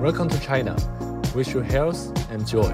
Welcome to China. Wish you health and joy.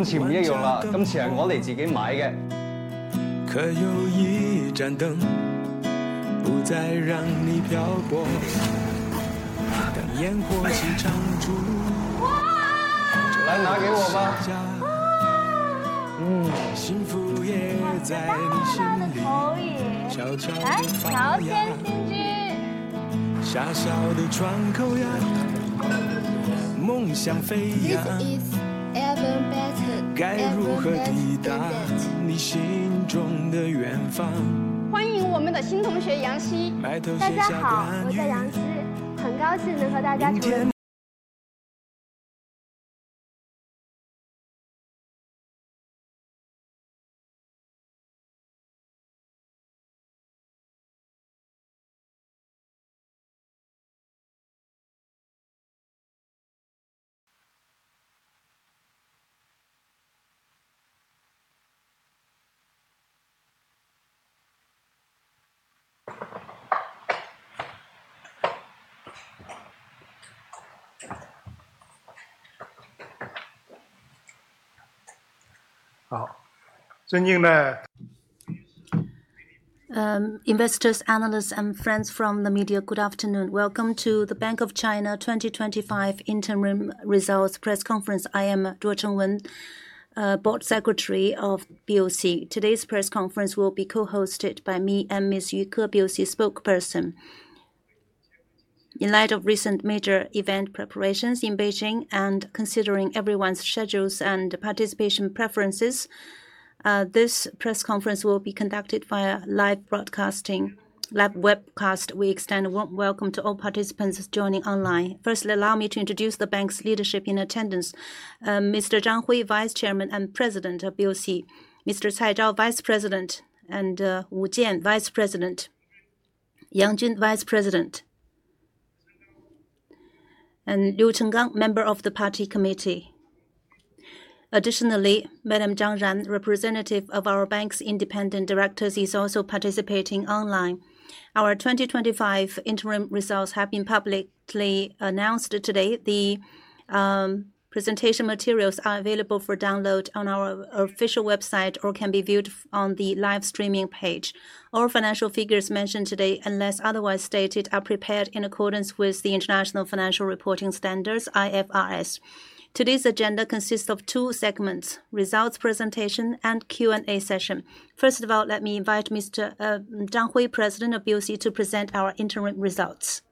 老板娘, 你好。哎, 来啦。这回点水呀。my. Mm, delicious. Hey, don't, make some room. 中银香港推出数字人民币服务。人们的脚步总是匆忙, 可曾怀疑过前路的方向? 听起来像是我们的旧时搬家了吧。这次不一样了, 这次是我们自己买的。可有一盏灯, 不再让你漂泊。它的烟火心唱着。来, 拿给我吧。place in your heart? 欢迎我们的新同学杨希。to meet everyone. 明天。尊敬的... Investors, analysts, and friends from the media, good afternoon. Welcome to the Bank of China 2025 interim results press conference. I am Chengwen Zhuo, Board Secretary of Bank of China. Today's press conference will be co-hosted by me and Ms. Yu Ke, Bank of China spokesperson. In light of recent major event preparations in Beijing and considering everyone's schedules and participation preferences, this press conference will be conducted via live broadcasting webcast. We extend a warm welcome to all participants joining online. Firstly, allow me to introduce the Bank's leadership in attendance: Mr. Hui Zhang, Vice Chairman and President of Bank of China; Mr. Zhao Cai, Vice President; Jian Wu, Vice President; Jun Yang, Vice President; and Chenggang Liu, Member of the Party Committee. Additionally, Madam Ran Zhang, Representative of our Bank's Independent Directors, is also participating online. Our 2025 interim results have been publicly announced today. The presentation materials are available for download on our official website or can be viewed on the live streaming page. All financial figures mentioned today, unless otherwise stated, are prepared in accordance with the International Financial Reporting Standards (IFRS). Today's agenda consists of two segments: results presentation and Q&A session. First of all, let me invite Mr. Hui Zhang, President of Bank of China, to present our interim results.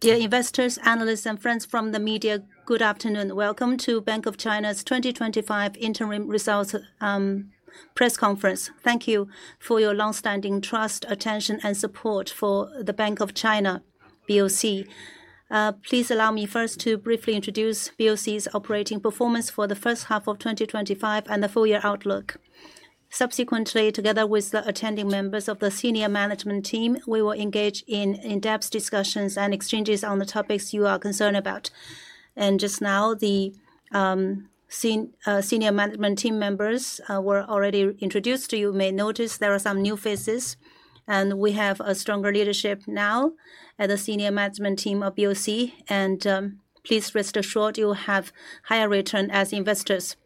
Dear investors, analysts, and friends from the media, good afternoon. Welcome to Bank of China's 2025 interim results press conference. Thank you for your longstanding trust, attention, and support for the Bank of China, Bank of China. Please allow me first to briefly introduce Bank of China's operating performance for the first half of 2025 and the full-year outlook. Subsequently, together with the attending members of the senior management team, we will engage in in-depth discussions and exchanges on the topics you are concerned about. The senior management team members were already introduced to you. You may notice there are some new faces, and we have a stronger leadership now at the senior management team of Bank of China, and please rest assured you will have higher returns as investors.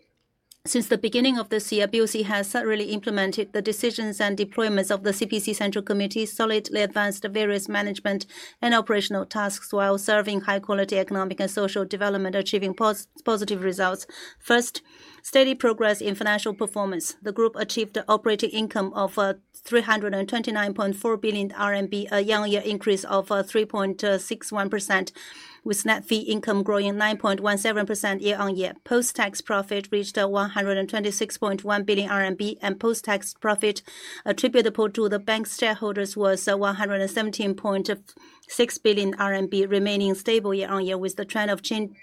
Since the beginning of this year, Bank of China has thoroughly implemented the decisions and deployments of the CPC Central Committee, solidly advanced various management and operational tasks while serving high-quality economic and social development, achieving positive results. First, steady progress in financial performance. The group achieved an operating income of 329.4 billion RMB, a year-on-year increase of 3.61%, with net fee income growing 9.17% year-on-year. Post-tax profit reached 126.1 billion RMB, and post-tax profit attributable to the bank's shareholders was 117.6 billion RMB, remaining stable year-on-year, with the trend of change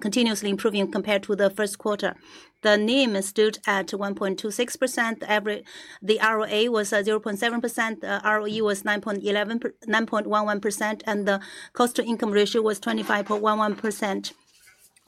continuously improving compared to the first quarter. The NIM stood at 1.26%. The ROA was 0.7%, the ROE was 9.11%, and the cost-to-income ratio was 25.11%,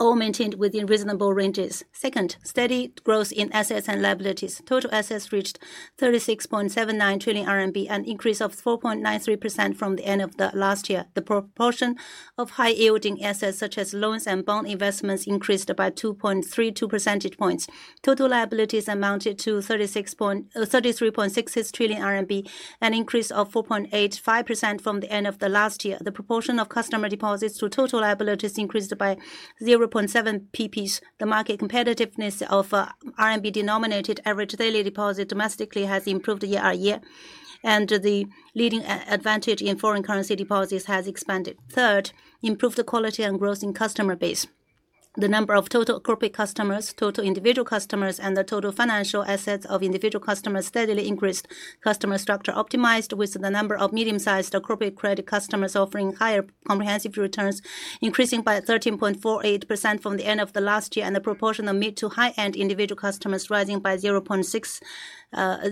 all maintained within reasonable ranges. Second, steady growth in assets and liabilities. Total assets reached 36.79 trillion RMB, an increase of 4.93% from the end of last year. The proportion of high-yielding assets, such as loans and bond investments, increased by 2.32 percentage points. Total liabilities amounted to 33.66 trillion RMB, an increase of 4.85% from the end of last year. The proportion of customer deposits to total liabilities increased by 0.7 percentage points. The market competitiveness of RMB-denominated average daily deposits domestically has improved year-on-year, and the leading advantage in foreign currency deposits has expanded. Third, improved quality and growth in customer base. The number of total corporate customers, total individual customers, and the total financial assets of individual customers steadily increased. Customer structure optimized, with the number of medium-sized corporate credit customers offering higher comprehensive returns increasing by 13.48% from the end of last year, and the proportion of mid-to-high-end individual customers rising by 0.16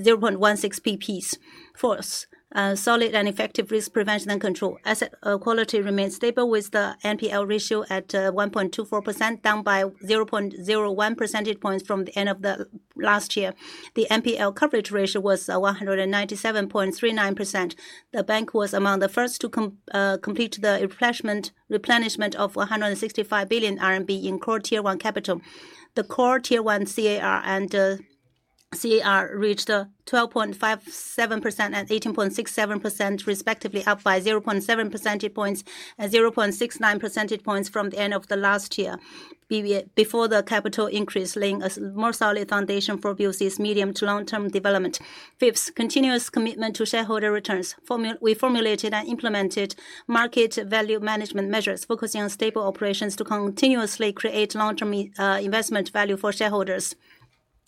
percentage points. Fourth, solid and effective risk prevention and control. Asset quality remained stable, with the NPL ratio at 1.24%, down by 0.01 percentage points from the end of last year. The NPL coverage ratio was 197.39%. The bank was among the first to complete the replenishment of 165 billion RMB in Core Tier 1 capital. The Core Tier 1 capital adequacy ratio and capital adequacy ratio reached 12.57% and 18.67%, respectively, up by 0.7 percentage points and 0.69 percentage points from the end of last year before the capital increase, laying a more solid foundation for Bank of China's medium to long-term development. Fifth, continuous commitment to shareholder returns. We formulated and implemented market value management measures, focusing on stable operations to continuously create long-term investment value for shareholders.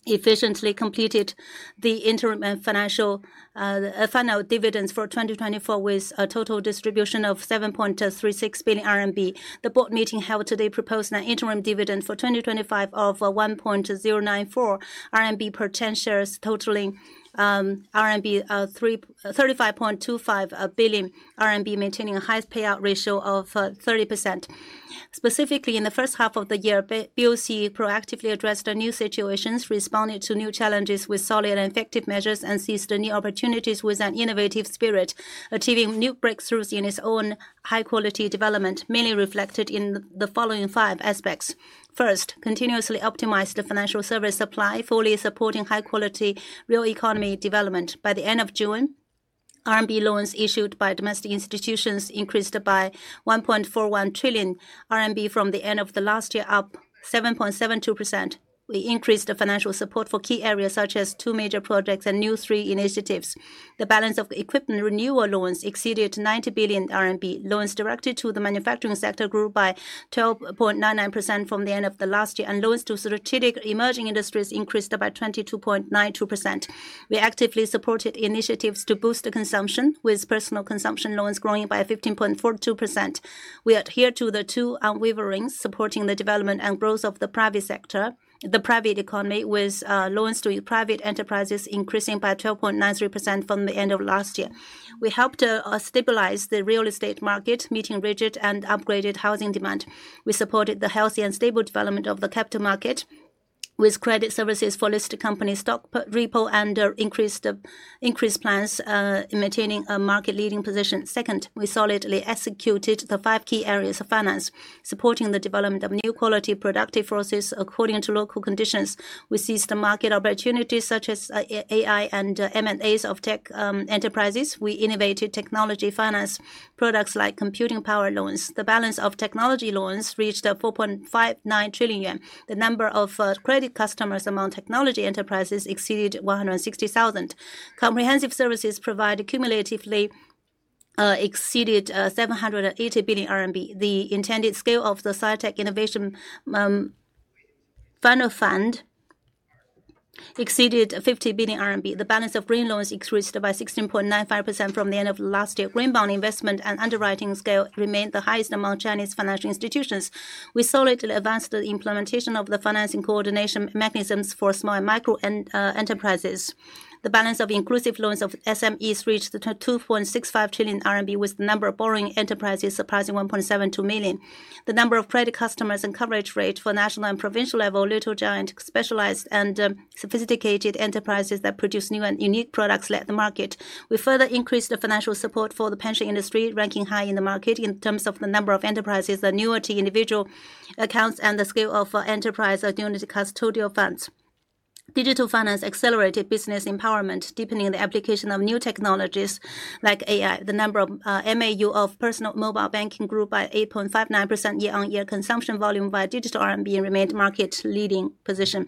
Efficiently completed the interim and financial final dividends for 2024, with a total distribution of 7.36 billion RMB. The board meeting held today proposed an interim dividend for 2025 of 1.094 RMB per 10 shares, totaling 35.25 billion RMB, maintaining a high payout ratio of 30%. Specifically, in the first half of the year, Bank of China proactively addressed the new situations, responded to new challenges with solid and effective measures, and seized new opportunities with an innovative spirit, achieving new breakthroughs in its own high-quality development, mainly reflected in the following five aspects. First, continuously optimized the financial service supply, fully supporting high-quality real economy development. By the end of June, RMB loans issued by domestic institutions increased by 1.41 trillion RMB from the end of last year, up 7.72%. We increased the financial support for key areas, such as two major projects and new three initiatives. The balance of equipment renewal loans exceeded 90 billion RMB. Loans directed to the manufacturing sector grew by 12.99% from the end of last year, and loans to strategic emerging industries increased by 22.92%. We actively supported initiatives to boost consumption, with personal consumption loans growing by 15.42%. We adhered to the two unwavering, supporting the development and growth of the private sector, the private economy, with loans to private enterprises increasing by 12.93% from the end of last year. We helped stabilize the real estate market, meeting rigid and upgraded housing demand. We supported the healthy and stable development of the capital market, with credit services for listed company stock repo, and increased plans in maintaining a market-leading position. Second, we solidly executed the five key areas of finance, supporting the development of new quality productive forces according to local conditions. We seized the market opportunities, such as AI and M&As of tech enterprises. We innovated technology finance products like computing power loans. The balance of technology loans reached 4.59 trillion yuan. The number of credit customers among technology enterprises exceeded 160,000. Comprehensive services provided cumulatively exceeded 780 billion RMB. The intended scale of the CITEC Innovation Final Fund exceeded 50 billion RMB. The balance of green loans increased by 16.95% from the end of last year. Green bond investment and underwriting scale remained the highest among Chinese financial institutions. We solidly advanced the implementation of the financing coordination mechanisms for small and micro enterprises. The balance of inclusive loans of SMEs reached 2.65 trillion RMB, with the number of borrowing enterprises surpassing 1.72 million. The number of credit customers and coverage rate for national and provincial level little giants, specialized and sophisticated enterprises that produce new and unique products led the market. We further increased the financial support for the pension industry, ranking high in the market in terms of the number of enterprises, the number to individual accounts, and the scale of enterprise unit custodial funds. Digital finance accelerated business empowerment, deepening the application of new technologies like AI. The number of MAU of personal mobile banking grew by 8.59% year-on-year. Consumption volume by digital RMB remained a market-leading position.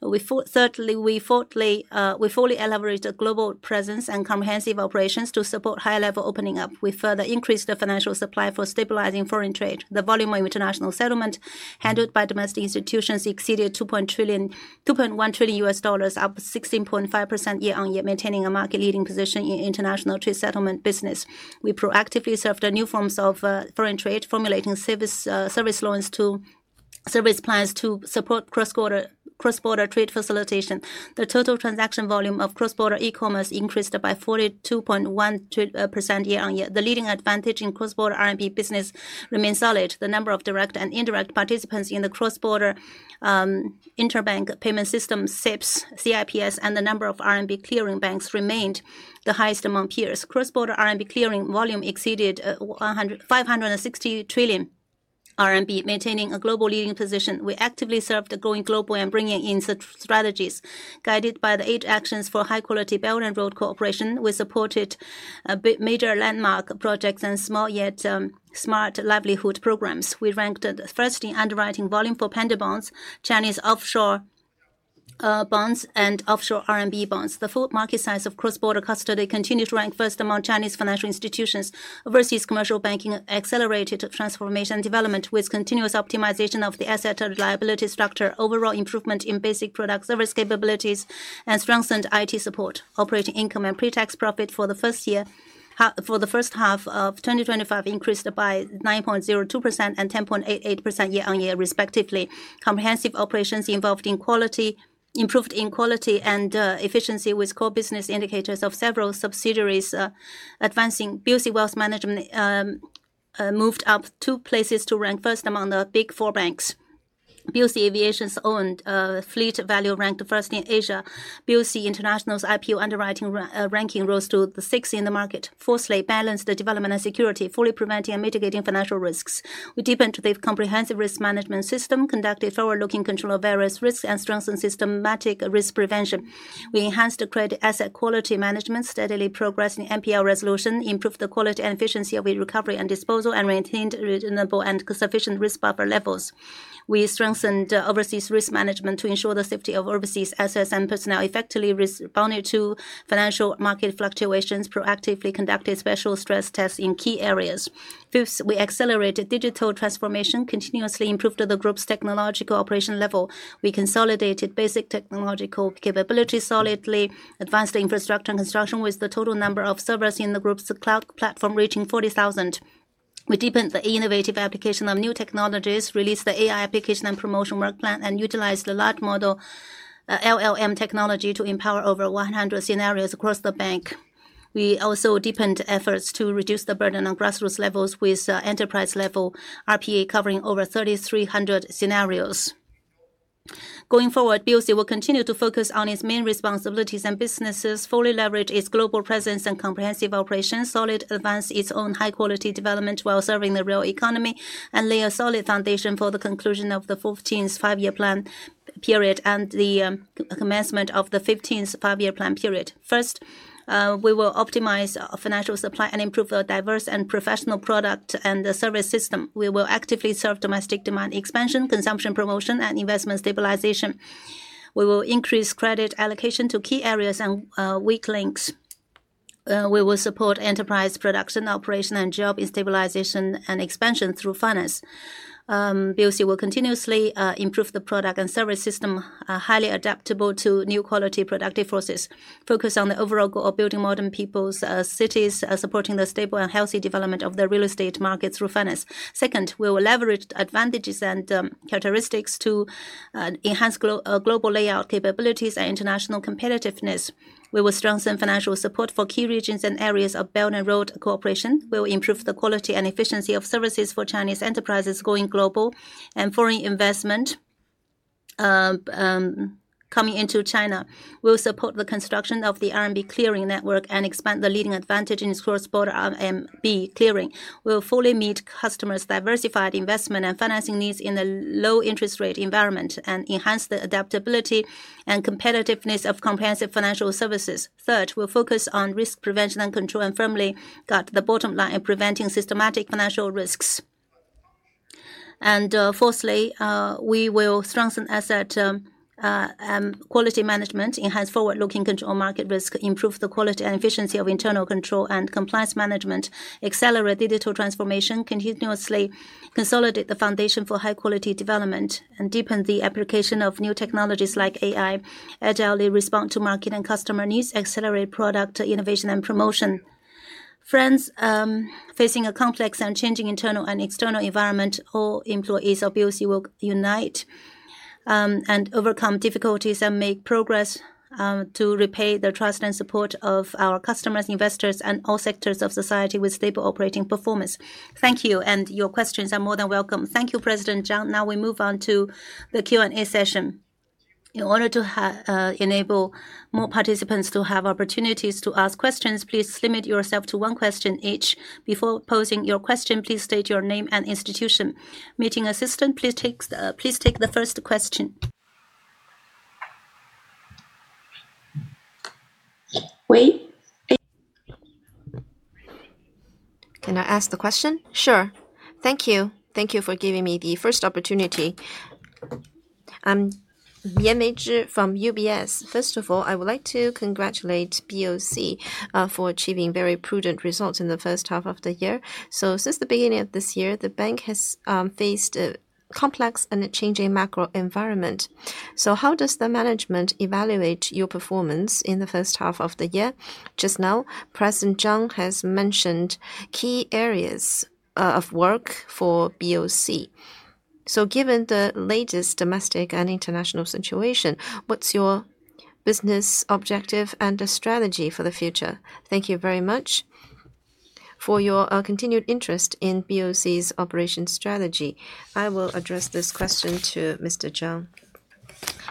We fully leveraged global presence and comprehensive operations to support high-level opening up. We further increased the financial supply for stabilizing foreign trade. The volume of international settlement handled by domestic institutions exceeded $2.1 trillion, up 16.5% year-on-year, maintaining a market-leading position in international trade settlement business. We proactively served new forms of foreign trade, formulating service loans to service plans to support cross-border trade facilitation. The total transaction volume of cross-border e-commerce increased by 42.1% year-on-year. The leading advantage in cross-border RMB business remains solid. The number of direct and indirect participants in the cross-border interbank payment system, CIPS, and the number of RMB clearing banks remained the highest among peers. Cross-border RMB clearing volume exceeded 560 trillion RMB, maintaining a global leading position. We actively served the going global and bringing in strategies guided by the eight actions for high-quality Belt and Road Cooperation. We supported major landmark projects and small yet smart livelihood programs. We ranked the first in underwriting volume for panda bonds, Chinese offshore bonds, and offshore RMB bonds. The full market size of cross-border custody continues to rank first among Chinese financial institutions. Overseas commercial banking accelerated transformation and development with continuous optimization of the asset and liability structure, overall improvement in basic product service capabilities, and strengthened IT support. Operating income and pre-tax profit for the first half of 2025 increased by 9.02% and 10.88% year-on-year, respectively. Comprehensive operations improved in quality and efficiency, with core business indicators of several subsidiaries advancing. BOC Wealth Management moved up two places to rank first among the Big Four banks. BOC Aviation's owned fleet value ranked first in Asia. BOC International's IPO underwriting ranking rose to sixth in the market. Fourthly, balanced the development and security, fully preventing and mitigating financial risks. We deepened the comprehensive risk management system, conducted forward-looking control of various risks, and strengthened systematic risk prevention. We enhanced the credit asset quality management, steadily progressing NPL resolution, improved the quality and efficiency of recovery and disposal, and maintained reasonable and sufficient risk buffer levels. We strengthened overseas risk management to ensure the safety of overseas assets and personnel effectively, responding to financial market fluctuations. Proactively conducted special stress tests in key areas. Fifth, we accelerated digital transformation, continuously improved the group's technological operation level. We consolidated basic technological capabilities solidly, advanced the infrastructure and construction, with the total number of servers in the group's cloud platform reaching 40,000. We deepened the innovative application of new technologies, released the AI application and promotion work plan, and utilized the large model LLM technology to empower over 100 scenarios across the bank. We also deepened efforts to reduce the burden on grassroots levels, with enterprise-level RPA covering over 3,300 scenarios. Going forward, BOC will continue to focus on its main responsibilities and businesses, fully leverage its global presence and comprehensive operations, solidly advance its own high-quality development while serving the real economy, and lay a solid foundation for the conclusion of the 14th five-year plan period and the commencement of the 15th five-year plan period. First, we will optimize financial supply and improve the diverse and professional product and the service system. We will actively serve domestic demand expansion, consumption promotion, and investment stabilization. We will increase credit allocation to key areas and weak links. We will support enterprise production operation and job stabilization and expansion through finance. BOC will continuously improve the product and service system, highly adaptable to new quality productive forces. We will focus on the overall goal of building modern people's cities, supporting the stable and healthy development of the real estate market through finance. Second, we will leverage advantages and characteristics to enhance global layout capabilities and international competitiveness. We will strengthen financial support for key regions and areas of Belt and Road Cooperation. We will improve the quality and efficiency of services for Chinese enterprises going global and foreign investment coming into China. We will support the construction of the RMB clearing network and expand the leading advantage in cross-border RMB clearing. We will fully meet customers' diversified investment and financing needs in a low-interest rate environment and enhance the adaptability and competitiveness of comprehensive financial services. Third, we will focus on risk prevention and control and firmly guide the bottom line in preventing systematic financial risks. Fourthly, we will strengthen asset and quality management, enhance forward-looking control of market risk, improve the quality and efficiency of internal control and compliance management, accelerate digital transformation, continuously consolidate the foundation for high-quality development, and deepen the application of new technologies like AI, agilely respond to market and customer needs, accelerate product innovation and promotion. Friends, facing a complex and changing internal and external environment, all employees of BOC will unite and overcome difficulties and make progress to repay the trust and support of our customers, investors, and all sectors of society with stable operating performance. Thank you, and your questions are more than welcome. Thank you, President Zhang. Now we move on to the Q&A session. In order to enable more participants to have opportunities to ask questions, please limit yourself to one question each. Before posing your question, please state your name and institution. Meeting assistant, please take the first question. Can I ask the question? Sure. Thank you. Thank you for giving me the first opportunity. Scarlett Bian from UBS Investment Bank. First of all, I would like to congratulate Bank of China for achieving very prudent results in the first half of the year. Since the beginning of this year, the bank has faced a complex and changing macro environment. How does the management evaluate your performance in the first half of the year? Just now, President Hui Zhang has mentioned key areas of work for Bank of China. Given the latest domestic and international situation, what's your business objective and strategy for the future? Thank you very much for your continued interest in Bank of China's operation strategy. I will address this question to Mr. Zhang.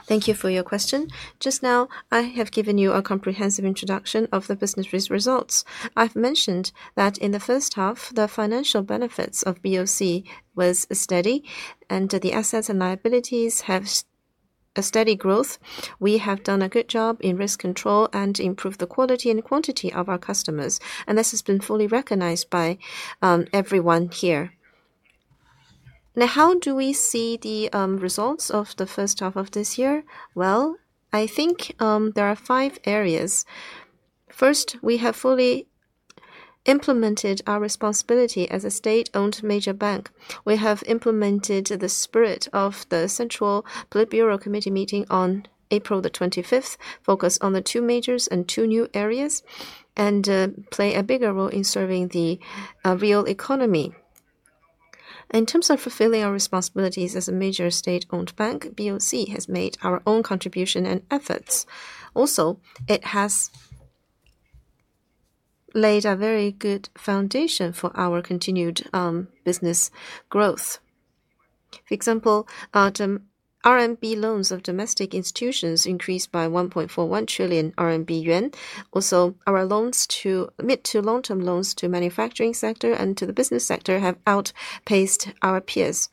Thank you for your question. Just now, I have given you a comprehensive introduction of the business risk results. I've mentioned that in the first half, the financial benefits of Bank of China were steady, and the assets and liabilities have a steady growth. We have done a good job in risk control and improved the quality and quantity of our customers, and this has been fully recognized by everyone here. How do we see the results of the first half of this year? I think there are five areas. First, we have fully implemented our responsibility as a state-owned major bank. We have implemented the spirit of the Central Politburo Committee meeting on April 25th, focused on the two majors and two new areas, and play a bigger role in serving the real economy. In terms of fulfilling our responsibilities as a major state-owned bank, Bank of China has made our own contribution and efforts. It has laid a very good foundation for our continued business growth. For example, the RMB loans of domestic institutions increased by 1.41 trillion yuan. Our loans to mid-to-long-term loans to the manufacturing sector and to the business sector have outpaced our peers.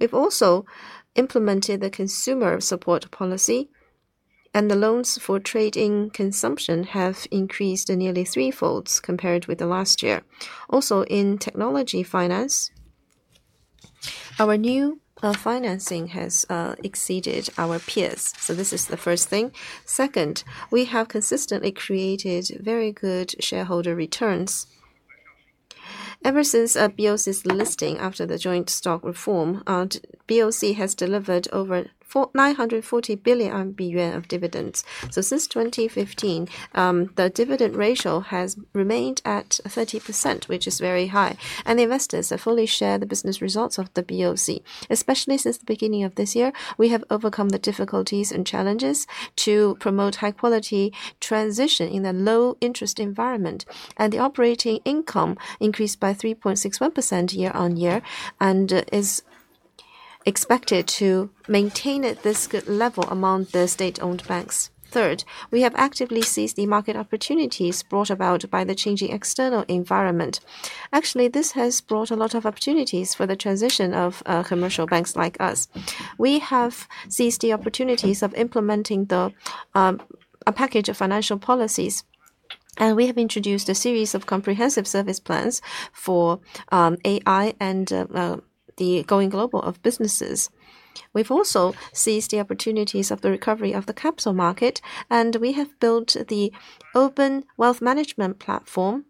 We've also implemented the consumer support policy, and the loans for trade-in consumption have increased nearly threefold compared with last year. In technology finance, our new financing has exceeded our peers. This is the first thing. Second, we have consistently created very good shareholder returns. Ever since Bank of China's listing after the joint stock reform, Bank of China has delivered over 940 billion yuan of dividends. Since 2015, the dividend ratio has remained at 30%, which is very high. Investors fully share the business results of Bank of China, especially since the beginning of this year. We have overcome the difficulties and challenges to promote high-quality transition in a low-interest environment, and the operating income increased by 3.61% year-on-year and is expected to maintain at this good level among the state-owned banks. Third, we have actively seized the market opportunities brought about by the changing external environment. Actually, this has brought a lot of opportunities for the transition of commercial banks like us. We have seized the opportunities of implementing a package of financial policies, and we have introduced a series of comprehensive service plans for AI and the going global of businesses. We've also seized the opportunities of the recovery of the capital market, and we have built the open wealth management platform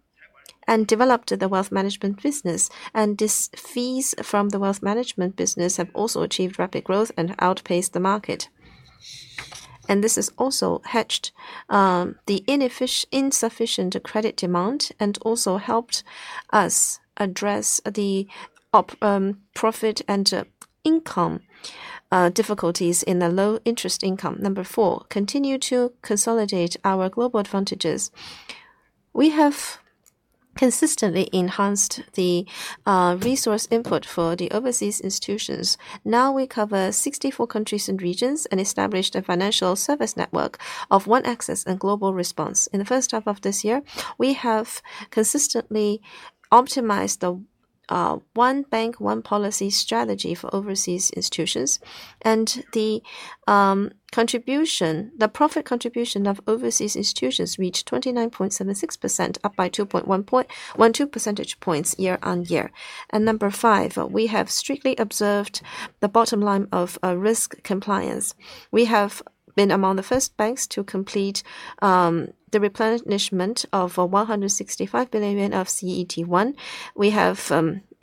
and developed the wealth management business. These fees from the wealth management business have also achieved rapid growth and outpaced the market. This has also hedged the insufficient credit demand and also helped us address the profit and income difficulties in the low-interest income. Number four, continue to consolidate our global advantages. We have consistently enhanced the resource input for the overseas institutions. Now we cover 64 countries and regions and established a financial service network of one access and global response. In the first half of this year, we have consistently optimized the one bank, one policy strategy for overseas institutions, and the profit contribution of overseas institutions reached 29.76%, up by 2.12 percentage points year-on-year. Number five, we have strictly observed the bottom line of risk compliance. We have been among the first banks to complete the replenishment of 165 billion yuan of Core Tier 1 capital. We have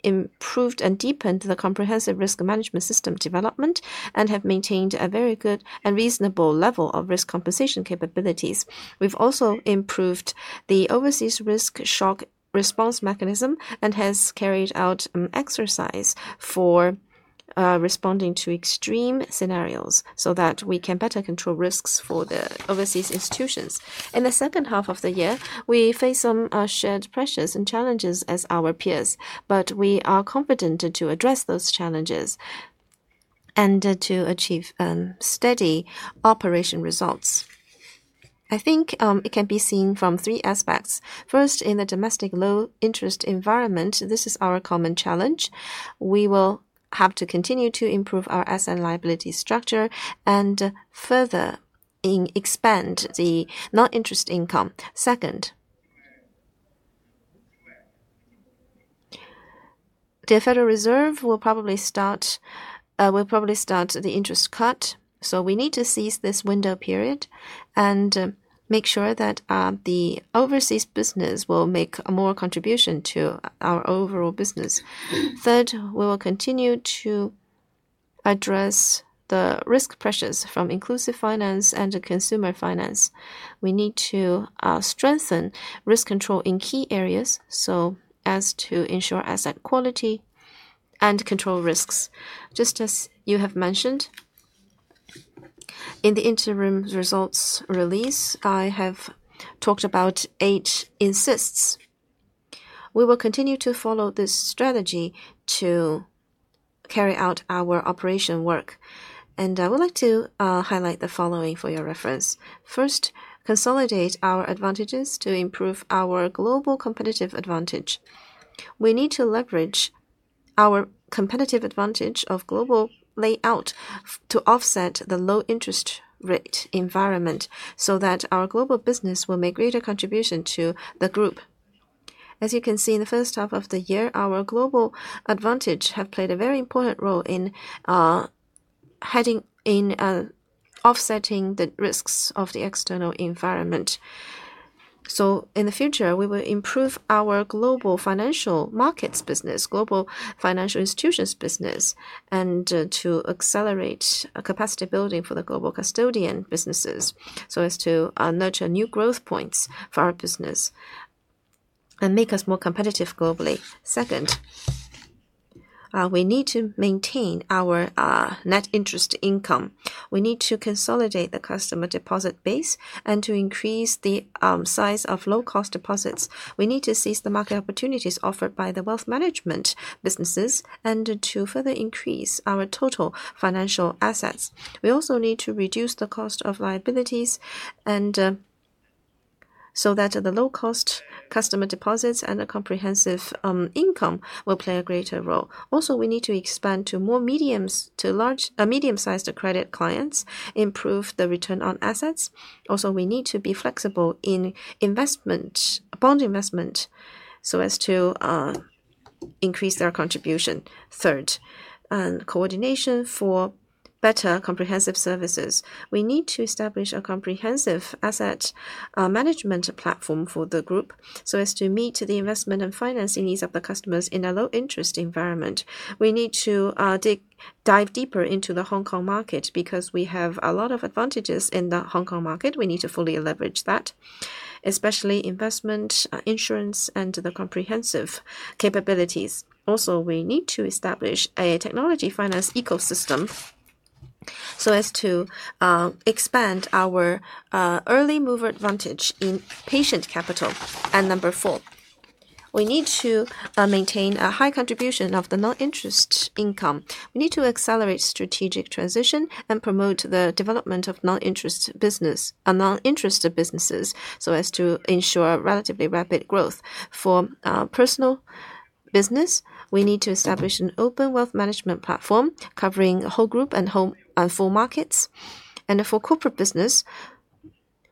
improved and deepened the comprehensive risk management system development and have maintained a very good and reasonable level of risk compensation capabilities. We've also improved the overseas risk shock response mechanism and have carried out exercise for responding to extreme scenarios so that we can better control risks for the overseas institutions. In the second half of the year, we face some shared pressures and challenges as our peers, but we are competent to address those challenges and to achieve steady operation results. I think it can be seen from three aspects. First, in the domestic low-interest environment, this is our common challenge. We will have to continue to improve our asset-liability structure and further expand the non-interest income. Second, the Federal Reserve will probably start the interest cut, so we need to seize this window period and make sure that the overseas business will make a more contribution to our overall business. Third, we will continue to address the risk pressures from inclusive finance and consumer finance. We need to strengthen risk control in key areas so as to ensure asset quality and control risks. Just as you have mentioned, in the interim results release, I have talked about eight insists. We will continue to follow this strategy to carry out our operation work. I would like to highlight the following for your reference. First, consolidate our advantages to improve our global competitive advantage. We need to leverage our competitive advantage of global layout to offset the low-interest rate environment so that our global business will make a greater contribution to the group. As you can see, in the first half of the year, our global advantage has played a very important role in offsetting the risks of the external environment. In the future, we will improve our global financial markets business, global financial institutions business, and accelerate capacity building for the global custody services so as to nurture new growth points for our business and make us more competitive globally. Second, we need to maintain our net interest income. We need to consolidate the customer deposit base and increase the size of low-cost deposits. We need to seize the market opportunities offered by the wealth management businesses and further increase our total financial assets. We also need to reduce the cost of liabilities so that the low-cost customer deposits and the comprehensive income will play a greater role. We need to expand to more medium-sized credit clients and improve the return on assets. We need to be flexible in bond investment so as to increase their contribution. Third, coordination for better comprehensive services. We need to establish a comprehensive asset management platform for the group so as to meet the investment and financing needs of the customers in a low-interest environment. We need to dive deeper into the Hong Kong market because we have a lot of advantages in the Hong Kong market. We need to fully leverage that, especially investment, insurance, and the comprehensive capabilities. Also, we need to establish a technology finance ecosystem so as to expand our early mover advantage in patient capital. Number four, we need to maintain a high contribution of the non-interest income. We need to accelerate strategic transition and promote the development of non-interest businesses so as to ensure relatively rapid growth. For personal business, we need to establish an open wealth management platform covering the whole group and full markets. For corporate business,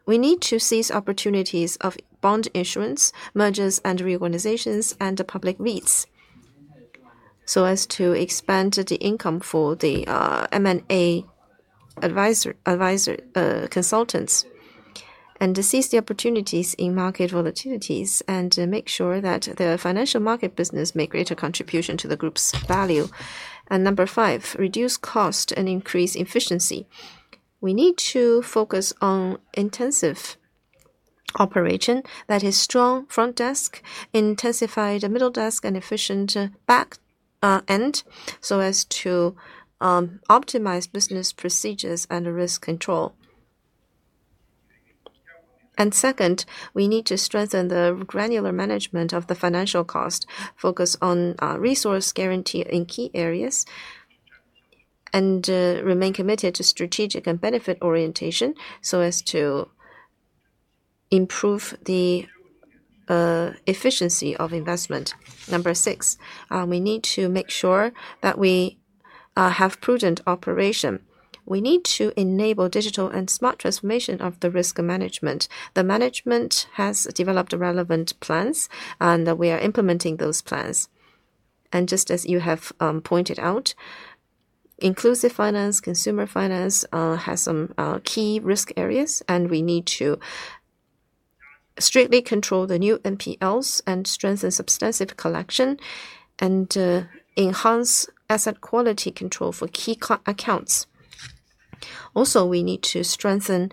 we need to seize opportunities of bond issuance, mergers and reorganizations, and the public REITs so as to expand the income for the M&A consultants and seize the opportunities in market volatilities and make sure that the financial market business makes a greater contribution to the group's value. Number five, reduce cost and increase efficiency. We need to focus on intensive operation that is strong front desk, intensified middle desk, and efficient back end so as to optimize business procedures and risk control. Second, we need to strengthen the granular management of the financial cost, focus on resource guarantee in key areas, and remain committed to strategic and benefit orientation so as to improve the efficiency of investment. Number six, we need to make sure that we have prudent operation. We need to enable digital and smart transformation of the risk management. The management has developed relevant plans, and we are implementing those plans. Just as you have pointed out, inclusive finance, consumer finance has some key risk areas, and we need to strictly control the new NPLs and strengthen substantive collection and enhance asset quality control for key accounts. Also, we need to strengthen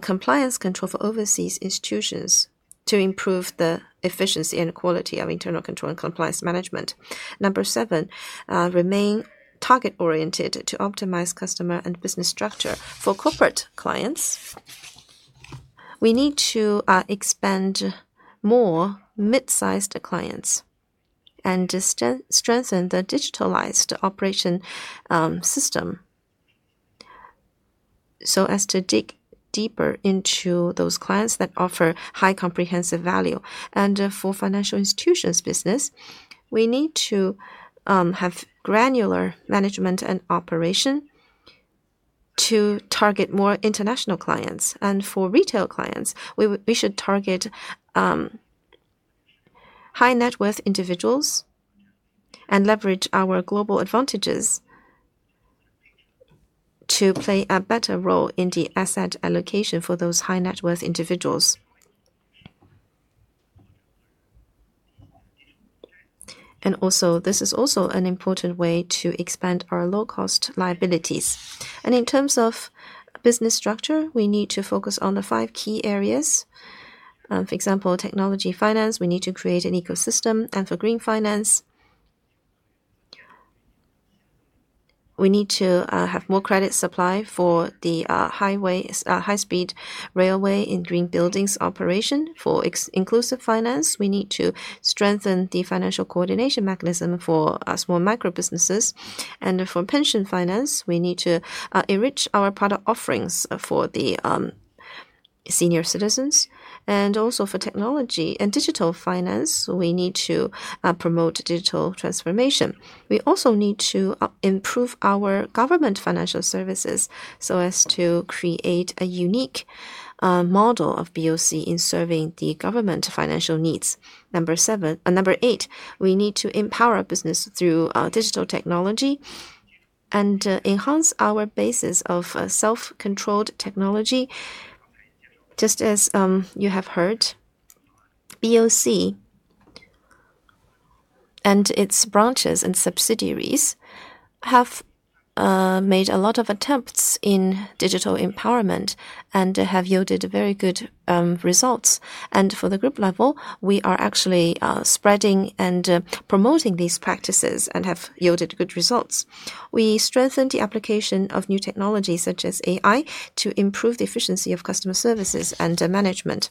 compliance control for overseas institutions to improve the efficiency and quality of internal control and compliance management. Number seven, remain target-oriented to optimize customer and business structure. For corporate clients, we need to expand more mid-sized clients and strengthen the digitalized operation system so as to dig deeper into those clients that offer high comprehensive value. For financial institutions' business, we need to have granular management and operation to target more international clients. For retail clients, we should target high net-worth individuals and leverage our global advantages to play a better role in the asset allocation for those high net-worth individuals. This is also an important way to expand our low-cost liabilities. In terms of business structure, we need to focus on the five key areas. For example, technology finance, we need to create an ecosystem. For green finance, we need to have more credit supply for the high-speed railway in green buildings operation. For inclusive finance, we need to strengthen the financial coordination mechanism for small micro businesses. For pension finance, we need to enrich our product offerings for the senior citizens. For technology and digital finance, we need to promote digital transformation. We also need to improve our government financial services to create a unique model of Bank of China in serving the government financial needs. Number seven, number eight, we need to empower our business through digital technology and enhance our basis of self-controlled technology. Just as you have heard, Bank of China and its branches and subsidiaries have made a lot of attempts in digital empowerment and have yielded very good results. At the group level, we are actually spreading and promoting these practices and have yielded good results. We strengthen the application of new technologies such as AI to improve the efficiency of customer services and management.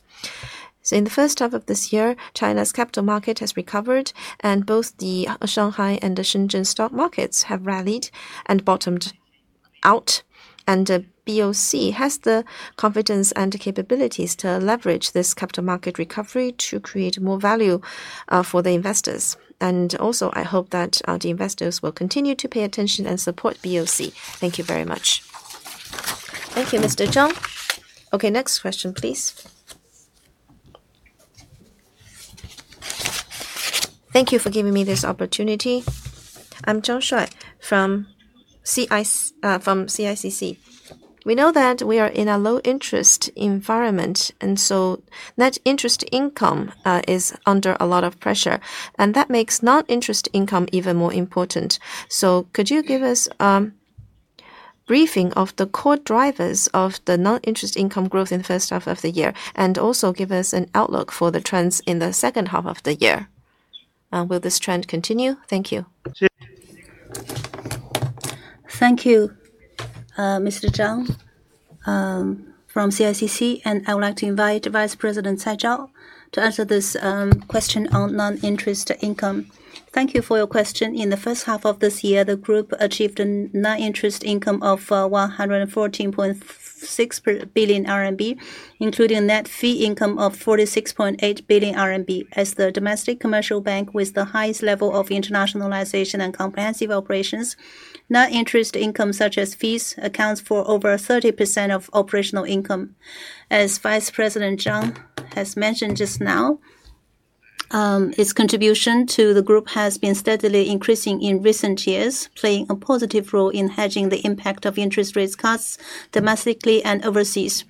In the first half of this year, China's capital market has recovered, and both the Shanghai and the Shenzhen stock markets have rallied and bottomed out. Bank of China has the confidence and capabilities to leverage this capital market recovery to create more value for the investors. I hope that the investors will continue to pay attention and support Bank of China. Thank you very much. Thank you, Mr. Zhang. Next question, please. Thank you for giving me this opportunity. I'm Zhang Shuai from CICC. We know that we are in a low-interest environment, and net interest income is under a lot of pressure. That makes non-interest income even more important. Could you give us a briefing of the core drivers of the non-interest income growth in the first half of the year? Also, give us an outlook for the trends in the second half of the year. Will this trend continue? Thank you. Thank you, Mr. Zhang, from China International Capital Corporation Limited. I would like to invite Vice President Zhao Cai to answer this question on non-interest income. Thank you for your question. In the first half of this year, the group achieved a net interest income of 114.6 billion RMB, including net fee income of 46.8 billion RMB. As the domestic commercial bank with the highest level of internationalization and comprehensive operations, net interest income such as fees accounts for over 30% of operating income. As Vice President Zhang has mentioned just now, its contribution to the group has been steadily increasing in recent years, playing a positive role in hedging the impact of interest rate cuts domestically and overseas.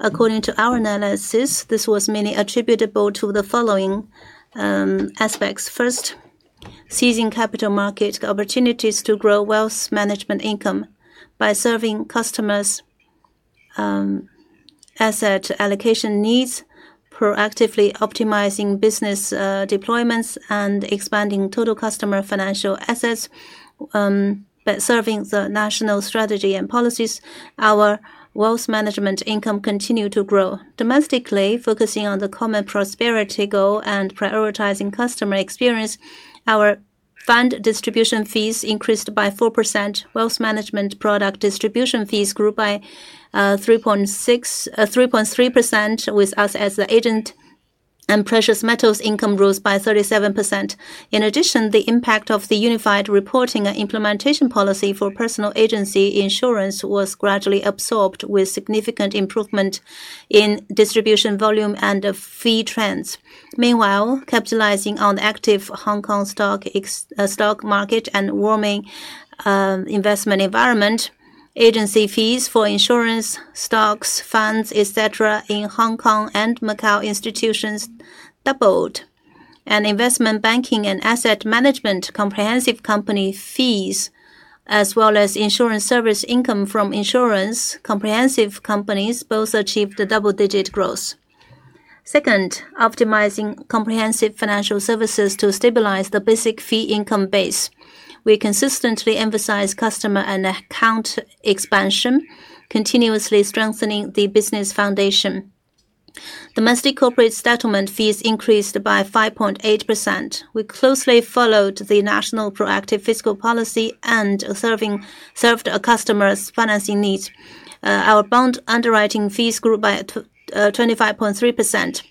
According to our analysis, this was mainly attributable to the following aspects. First, seizing capital market opportunities to grow wealth management income by serving customers' asset allocation needs, proactively optimizing business deployments, and expanding total customer financial assets, serving the national strategy and policies, our wealth management income continued to grow. Domestically, focusing on the common prosperity goal and prioritizing customer experience, our fund distribution fees increased by 4%. Wealth management product distribution fees grew by 3.3% with us as the agent, and precious metals income rose by 37%. In addition, the impact of the unified reporting and implementation policy for personal agency insurance was gradually absorbed with significant improvement in distribution volume and fee trends. Meanwhile, capitalizing on the active Hong Kong stock market and warming investment environment, agency fees for insurance, stocks, funds, etc. in Hong Kong and Macau institutions doubled. Investment banking and asset management comprehensive company fees, as well as insurance service income from insurance comprehensive companies, both achieved double-digit growth. Second, optimizing comprehensive financial services to stabilize the basic fee income base. We consistently emphasize customer and account expansion, continuously strengthening the business foundation. Domestic corporate settlement fees increased by 5.8%. We closely followed the national proactive fiscal policy and served customers' financing needs. Our bond underwriting fees grew by 25.3%.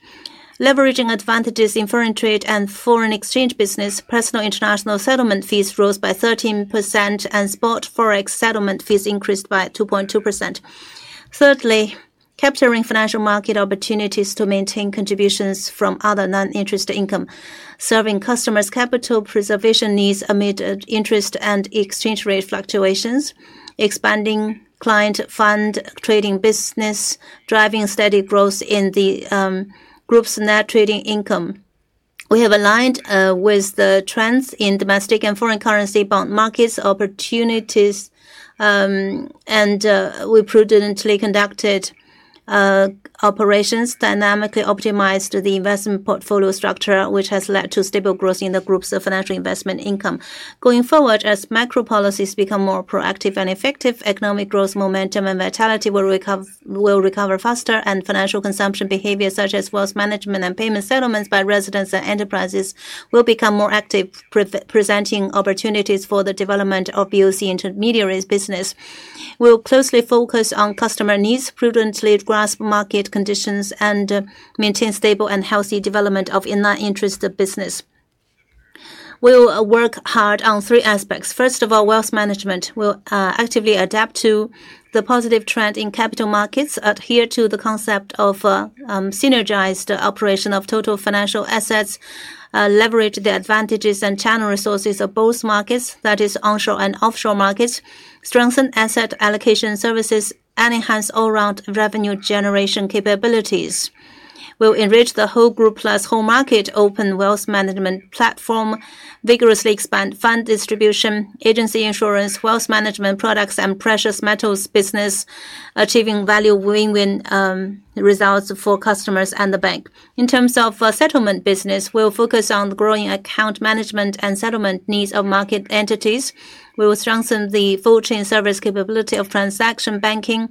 Leveraging advantages in foreign trade and foreign exchange business, personal international settlement fees rose by 13%, and spot forex settlement fees increased by 2.2%. Thirdly, capturing financial market opportunities to maintain contributions from other non-interest income, serving customers' capital preservation needs amid interest and exchange rate fluctuations, expanding client fund trading business, driving steady growth in the group's net trading income. We have aligned with the trends in domestic and foreign currency bond markets opportunities, and we prudently conducted operations, dynamically optimized the investment portfolio structure, which has led to stable growth in the group's financial investment income. Going forward, as macro policies become more proactive and effective, economic growth momentum and vitality will recover faster, and financial consumption behaviors, such as wealth management and payment settlements by residents and enterprises, will become more active, presenting opportunities for the development of BOC intermediaries business. We will closely focus on customer needs, prudently grasp market conditions, and maintain stable and healthy development of in-interest business. We will work hard on three aspects. First of all, wealth management. We will actively adapt to the positive trend in capital markets, adhere to the concept of synergized operation of total financial assets, leverage the advantages and channel resources of both markets, that is onshore and offshore markets, strengthen asset allocation services, and enhance all-round revenue generation capabilities. We will enrich the whole group plus whole market open wealth management platform, vigorously expand fund distribution, agency insurance, wealth management products, and precious metals business, achieving value win-win results for customers and the bank. In terms of settlement business, we will focus on growing account management and settlement needs of market entities. We will strengthen the full chain service capability of transaction banking,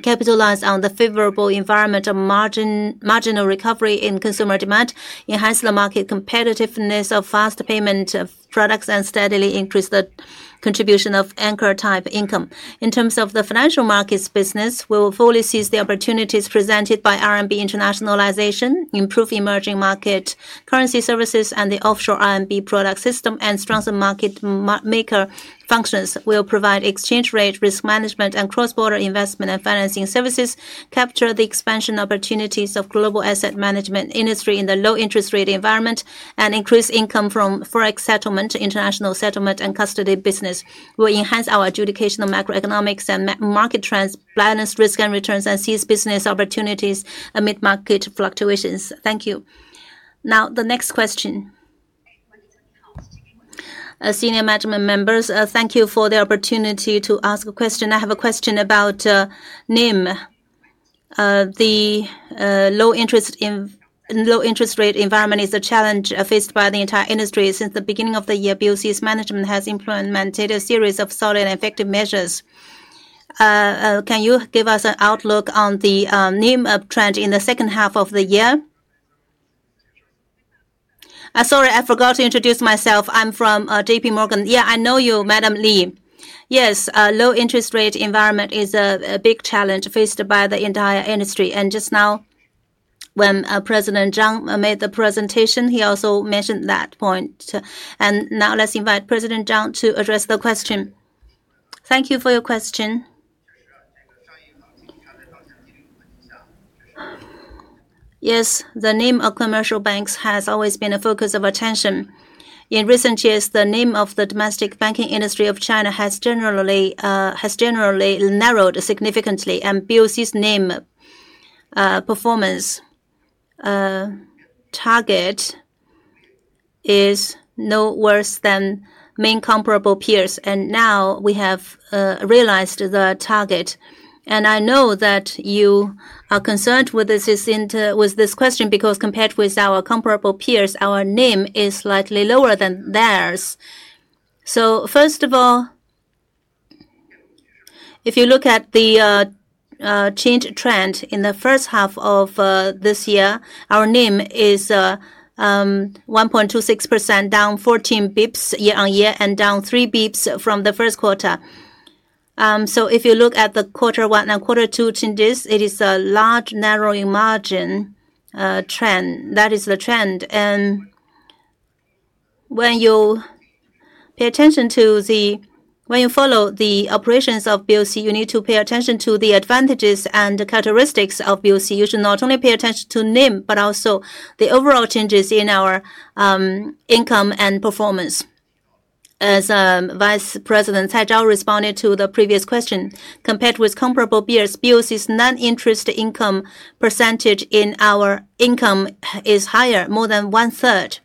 capitalize on the favorable environment of marginal recovery in consumer demand, enhance the market competitiveness of fast payment products, and steadily increase the contribution of anchor type income. In terms of the financial markets business, we will fully seize the opportunities presented by RMB internationalization, improve emerging market currency services, and the offshore RMB product system, and strengthen market maker functions. We will provide exchange rate risk management and cross-border investment and financing services, capture the expansion opportunities of global asset management industry in the low-interest rate environment, and increase income from forex settlement, international settlement, and custody business. We will enhance our adjudication of macroeconomics and market trends, balance risk and returns, and seize business opportunities amid market fluctuations. Thank you. Now, the next question. Senior Management members, thank you for the opportunity to ask a question. I have a question about NIM. The low-interest rate environment is a challenge faced by the entire industry. Since the beginning of the year, BOC's management has implemented a series of solid and effective measures. Can you give us an outlook on the NIM trend in the second half of the year? Sorry, I forgot to introduce myself. I'm from JPMorgan. Yeah, I know you, Madam Li. Yes, low-interest rate environment is a big challenge faced by the entire industry. Just now, when President Hui Zhang made the presentation, he also mentioned that point. Now, let's invite President Hui Zhang to address the question. Thank you for your question. Yes, the NIM of commercial banks has always been a focus of attention. In recent years, the NIM of the domestic banking industry of China has generally narrowed significantly, and BOC's NIM performance target is no worse than main comparable peers. Now, we have realized the target. I know that you are concerned with this question because compared with our comparable peers, our NIM is slightly lower than theirs. First of all, if you look at the change trend in the first half of this year, our NIM is 1.26%, down 14 basis points year-on-year, and down 3 basis points from the first quarter. If you look at the quarter one and quarter two changes, it is a large narrowing margin trend. That is the trend. When you pay attention to the, when you follow the operations of BOC, you need to pay attention to the advantages and characteristics of BOC. You should not only pay attention to NIM, but also the overall changes in our income and performance. As Vice President Zhao Cai responded to the previous question, compared with comparable peers, BOC's non-interest income percentage in our income is higher, more than one-third.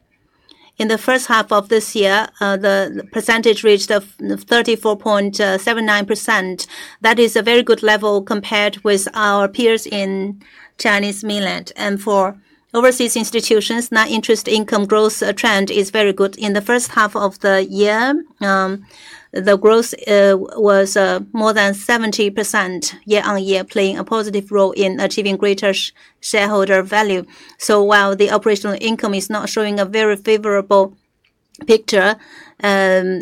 In the first half of this year, the percentage reached 34.79%. That is a very good level compared with our peers in Chinese mainland. For overseas institutions, non-interest income growth trend is very good. In the first half of the year, the growth was more than 70% year-on-year, playing a positive role in achieving greater shareholder value. While the operating income is not showing a very favorable picture, this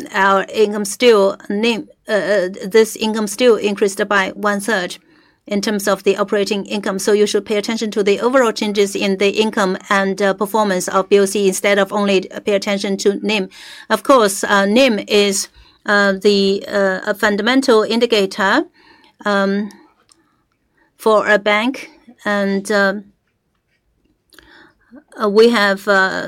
income still increased by one-third in terms of the operating income. You should pay attention to the overall changes in the income and performance of Bank of China instead of only paying attention to NIM. Of course, NIM is the fundamental indicator for a bank, and we have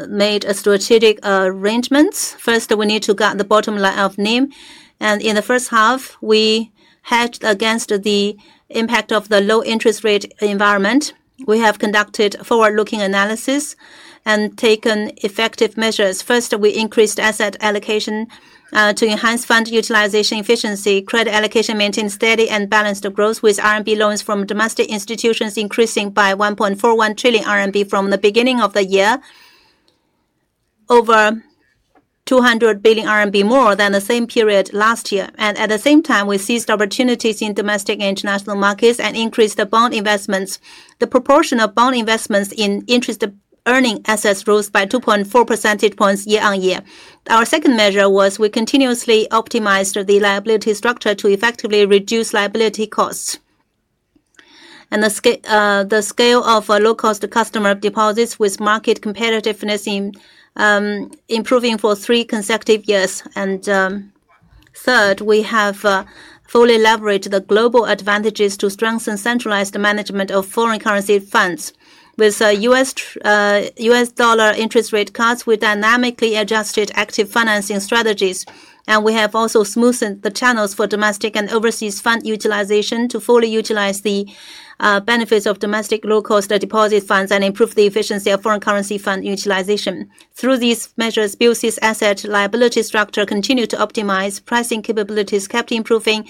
made strategic arrangements. First, we need to guide the bottom line of NIM. In the first half, we hedged against the impact of the low-interest rate environment. We have conducted forward-looking analysis and taken effective measures. First, we increased asset allocation to enhance fund utilization efficiency. Credit allocation maintained steady and balanced growth, with RMB loans from domestic institutions increasing by 1.41 trillion RMB from the beginning of the year, over 200 billion RMB more than the same period last year. At the same time, we seized opportunities in domestic and international markets and increased bond investments. The proportion of bond investments in interest-earning assets rose by 2.4% year-on-year. Our second measure was we continuously optimized the liability structure to effectively reduce liability costs. The scale of low-cost customer deposits with market competitiveness improved for three consecutive years. Third, we have fully leveraged the global advantages to strengthen centralized management of foreign currency funds. With U.S. dollar interest rate cuts, we dynamically adjusted active financing strategies, and we have also smoothed the channels for domestic and overseas fund utilization to fully utilize the benefits of domestic low-cost deposit funds and improve the efficiency of foreign currency fund utilization. Through these measures, Bank of China's asset-liability structure continued to optimize, pricing capabilities kept improving,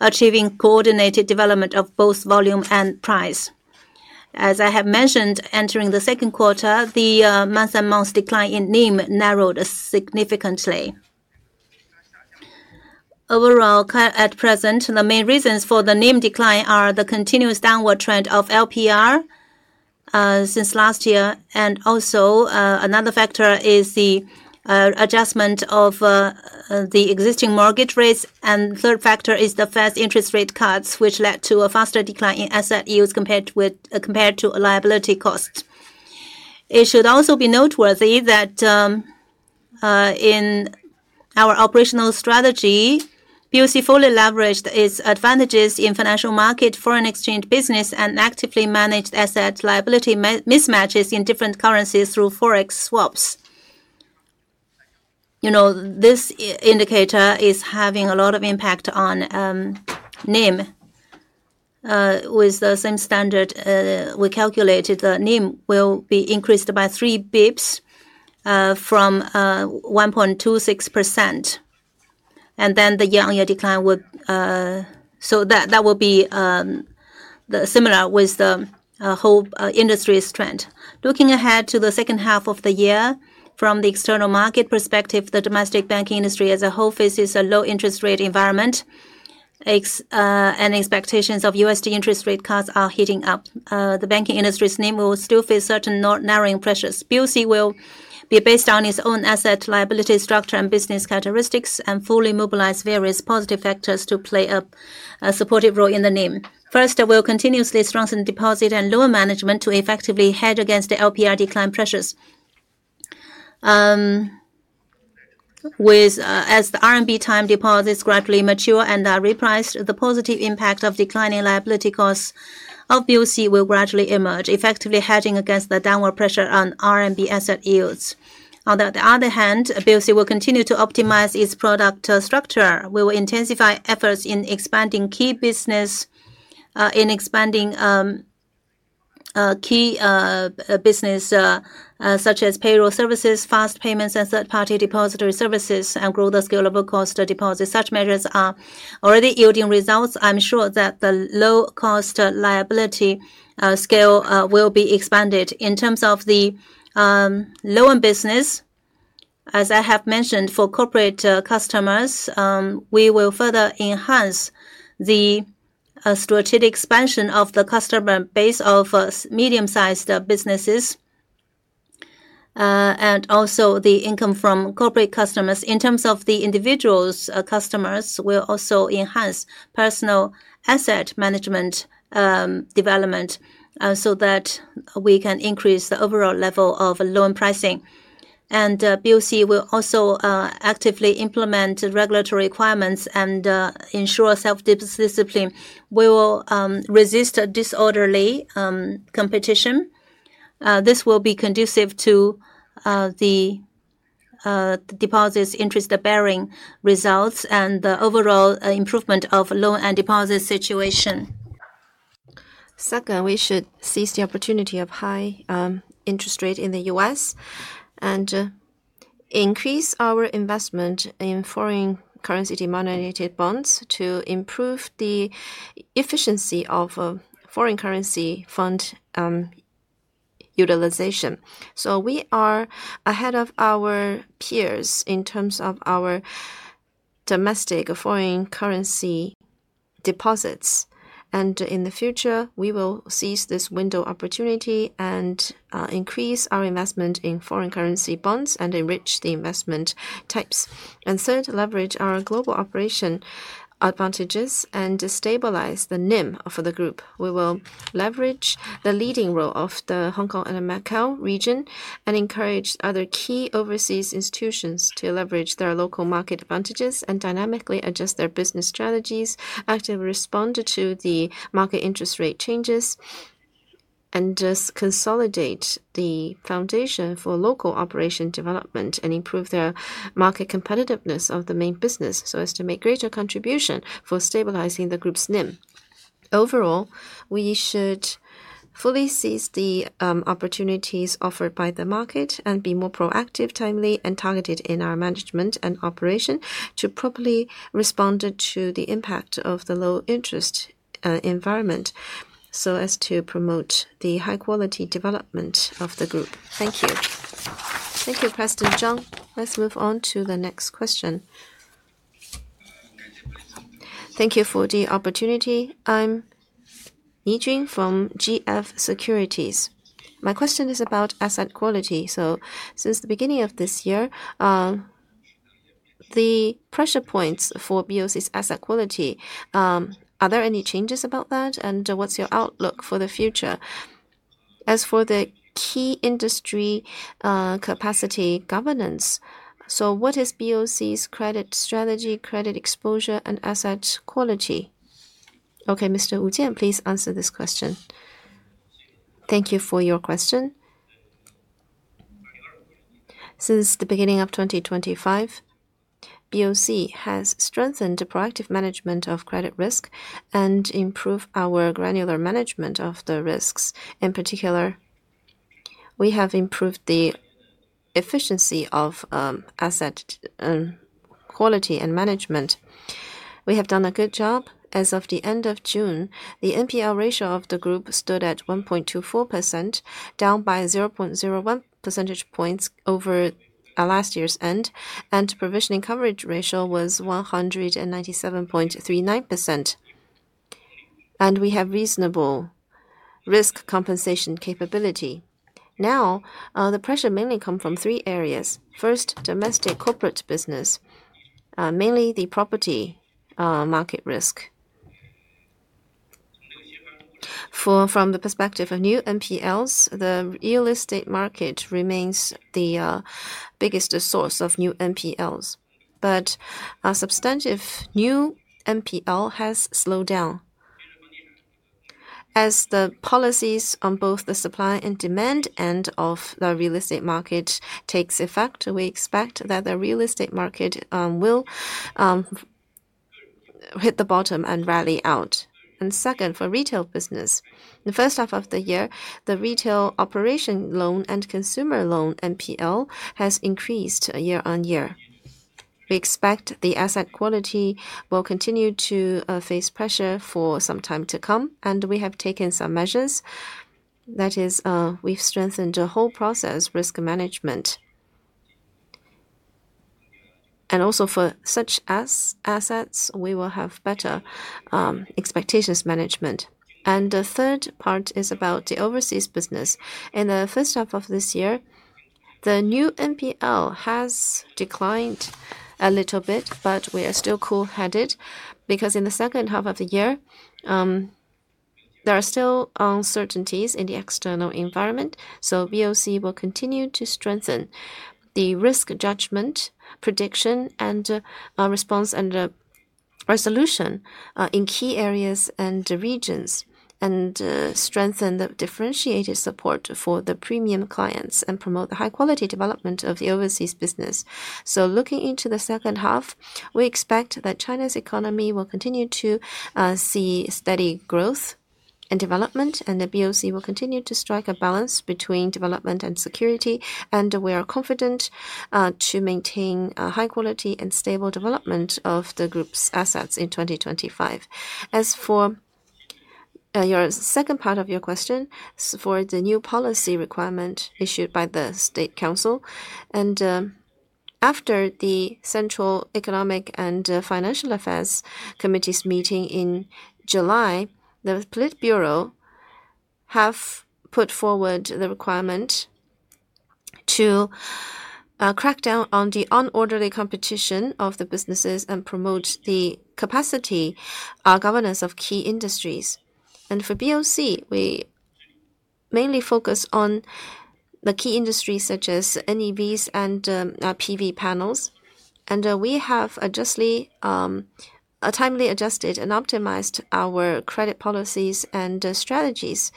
achieving coordinated development of both volume and price. As I have mentioned, entering the second quarter, the month-on-month decline in NIM narrowed significantly. Overall, at present, the main reasons for the NIM decline are the continuous downward trend of LPR since last year, and also another factor is the adjustment of the existing mortgage rates. The third factor is the fast interest rate cuts, which led to a faster decline in asset use compared to liability cost. It should also be noteworthy that in our operational strategy, Bank of China (BOC) fully leveraged its advantages in financial market, foreign exchange business, and actively managed asset liability mismatches in different currencies through forex swaps. This indicator is having a lot of impact on NIM. With the same standard, we calculated the NIM will be increased by 3 basis points from 1.26%. The year-on-year decline would be similar with the whole industry's trend. Looking ahead to the second half of the year, from the external market perspective, the domestic banking industry as a whole faces a low-interest rate environment, and expectations of U.S. dollar interest rate cuts are heating up. The banking industry's NIM will still face certain narrowing pressures. BOC will be based on its own asset-liability structure and business characteristics and fully mobilize various positive factors to play a supportive role in the NIM. First, we'll continuously strengthen deposit and loan management to effectively hedge against the LPR decline pressures. As the RMB time deposits gradually mature and are repriced, the positive impact of declining liability costs of BOC will gradually emerge, effectively hedging against the downward pressure on RMB asset yields. On the other hand, BOC will continue to optimize its product structure. We will intensify efforts in expanding key business, such as payroll services, fast payments, and third-party depository services, and grow the scalable cost of deposits. Such measures are already yielding results. I'm sure that the low-cost liability scale will be expanded. In terms of the loan business, as I have mentioned, for corporate customers, we will further enhance the strategic expansion of the customer base of medium-sized businesses and also the income from corporate customers. In terms of the individual customers, we'll also enhance personal asset management development so that we can increase the overall level of loan pricing. BOC will also actively implement regulatory requirements and ensure self-discipline. We will resist disorderly competition. This will be conducive to the deposit's interest-bearing results and the overall improvement of loan and deposit situation. Second, we should seize the opportunity of high interest rate in the U.S. and increase our investment in foreign currency demand-oriented bonds to improve the efficiency of foreign currency fund utilization. We are ahead of our peers in terms of our domestic foreign currency deposits. In the future, we will seize this window opportunity and increase our investment in foreign currency bonds and enrich the investment types. Third, leverage our global operation advantages and stabilize the NIM for the group. We will leverage the leading role of the Hong Kong and Macau region and encourage other key overseas institutions to leverage their local market advantages and dynamically adjust their business strategies as they respond to the market interest rate changes, consolidate the foundation for local operation development, and improve the market competitiveness of the main business so as to make a greater contribution for stabilizing the group's NIM. Overall, we should fully seize the opportunities offered by the market and be more proactive, timely, and targeted in our management and operation to properly respond to the impact of the low-interest environment so as to promote the high-quality development of the group. Thank you. Thank you, President Zhang. Let's move on to the next question. Thank you for the opportunity. I'm Yi Jing from GF Securities. My question is about asset quality. Since the beginning of this year, the pressure points for BOC's asset quality, are there any changes about that? What's your outlook for the future? As for the key industry capacity governance, what is BOC's credit strategy, credit exposure, and asset quality? Okay, Mr. Jian Wu, please answer this question. Thank you for your question. Since the beginning of 2025, BOC has strengthened the proactive management of credit risk and improved our granular management of the risks. In particular, we have improved the efficiency of asset quality and management. We have done a good job. As of the end of June, the NPL ratio of the group stood at 1.24%, down by 0.01 percentage points over last year's end, and provisioning coverage ratio was 197.39%. We have reasonable risk compensation capability. Now, the pressure mainly comes from three areas. First, domestic corporate business, mainly the property market risk. From the perspective of new NPLs, the real estate market remains the biggest source of new NPLs. A substantive new NPL has slowed down. As the policies on both the supply and demand end of the real estate market take effect, we expect that the real estate market will hit the bottom and rally out. Second, for retail business, in the first half of the year, the retail operation loan and consumer loan NPL has increased year on year. We expect the asset quality will continue to face pressure for some time to come, and we have taken some measures. That is, we've strengthened the whole process risk management. Also, for such assets, we will have better expectations management. The third part is about the overseas business. In the first half of this year, the new NPL has declined a little bit, but we are still cool-headed because in the second half of the year, there are still uncertainties in the external environment. BOC will continue to strengthen the risk judgment, prediction, response, and resolution in key areas and regions, and strengthen the differentiated support for the premium clients and promote the high-quality development of the overseas business. Looking into the second half, we expect that China's economy will continue to see steady growth and development, and BOC will continue to strike a balance between development and security. We are confident to maintain high-quality and stable development of the group's assets in 2025. As for your second part of your question, for the new policy requirement issued by the State Council, and after the Central Economic and Financial Affairs Committee's meeting in July, the Politburo has put forward the requirement to crack down on the unorderly competition of the businesses and promote the capacity governance of key industries. For BOC, we mainly focus on the key industries such as NEVs and PV panels. We have timely adjusted and optimized our credit policies and strategies.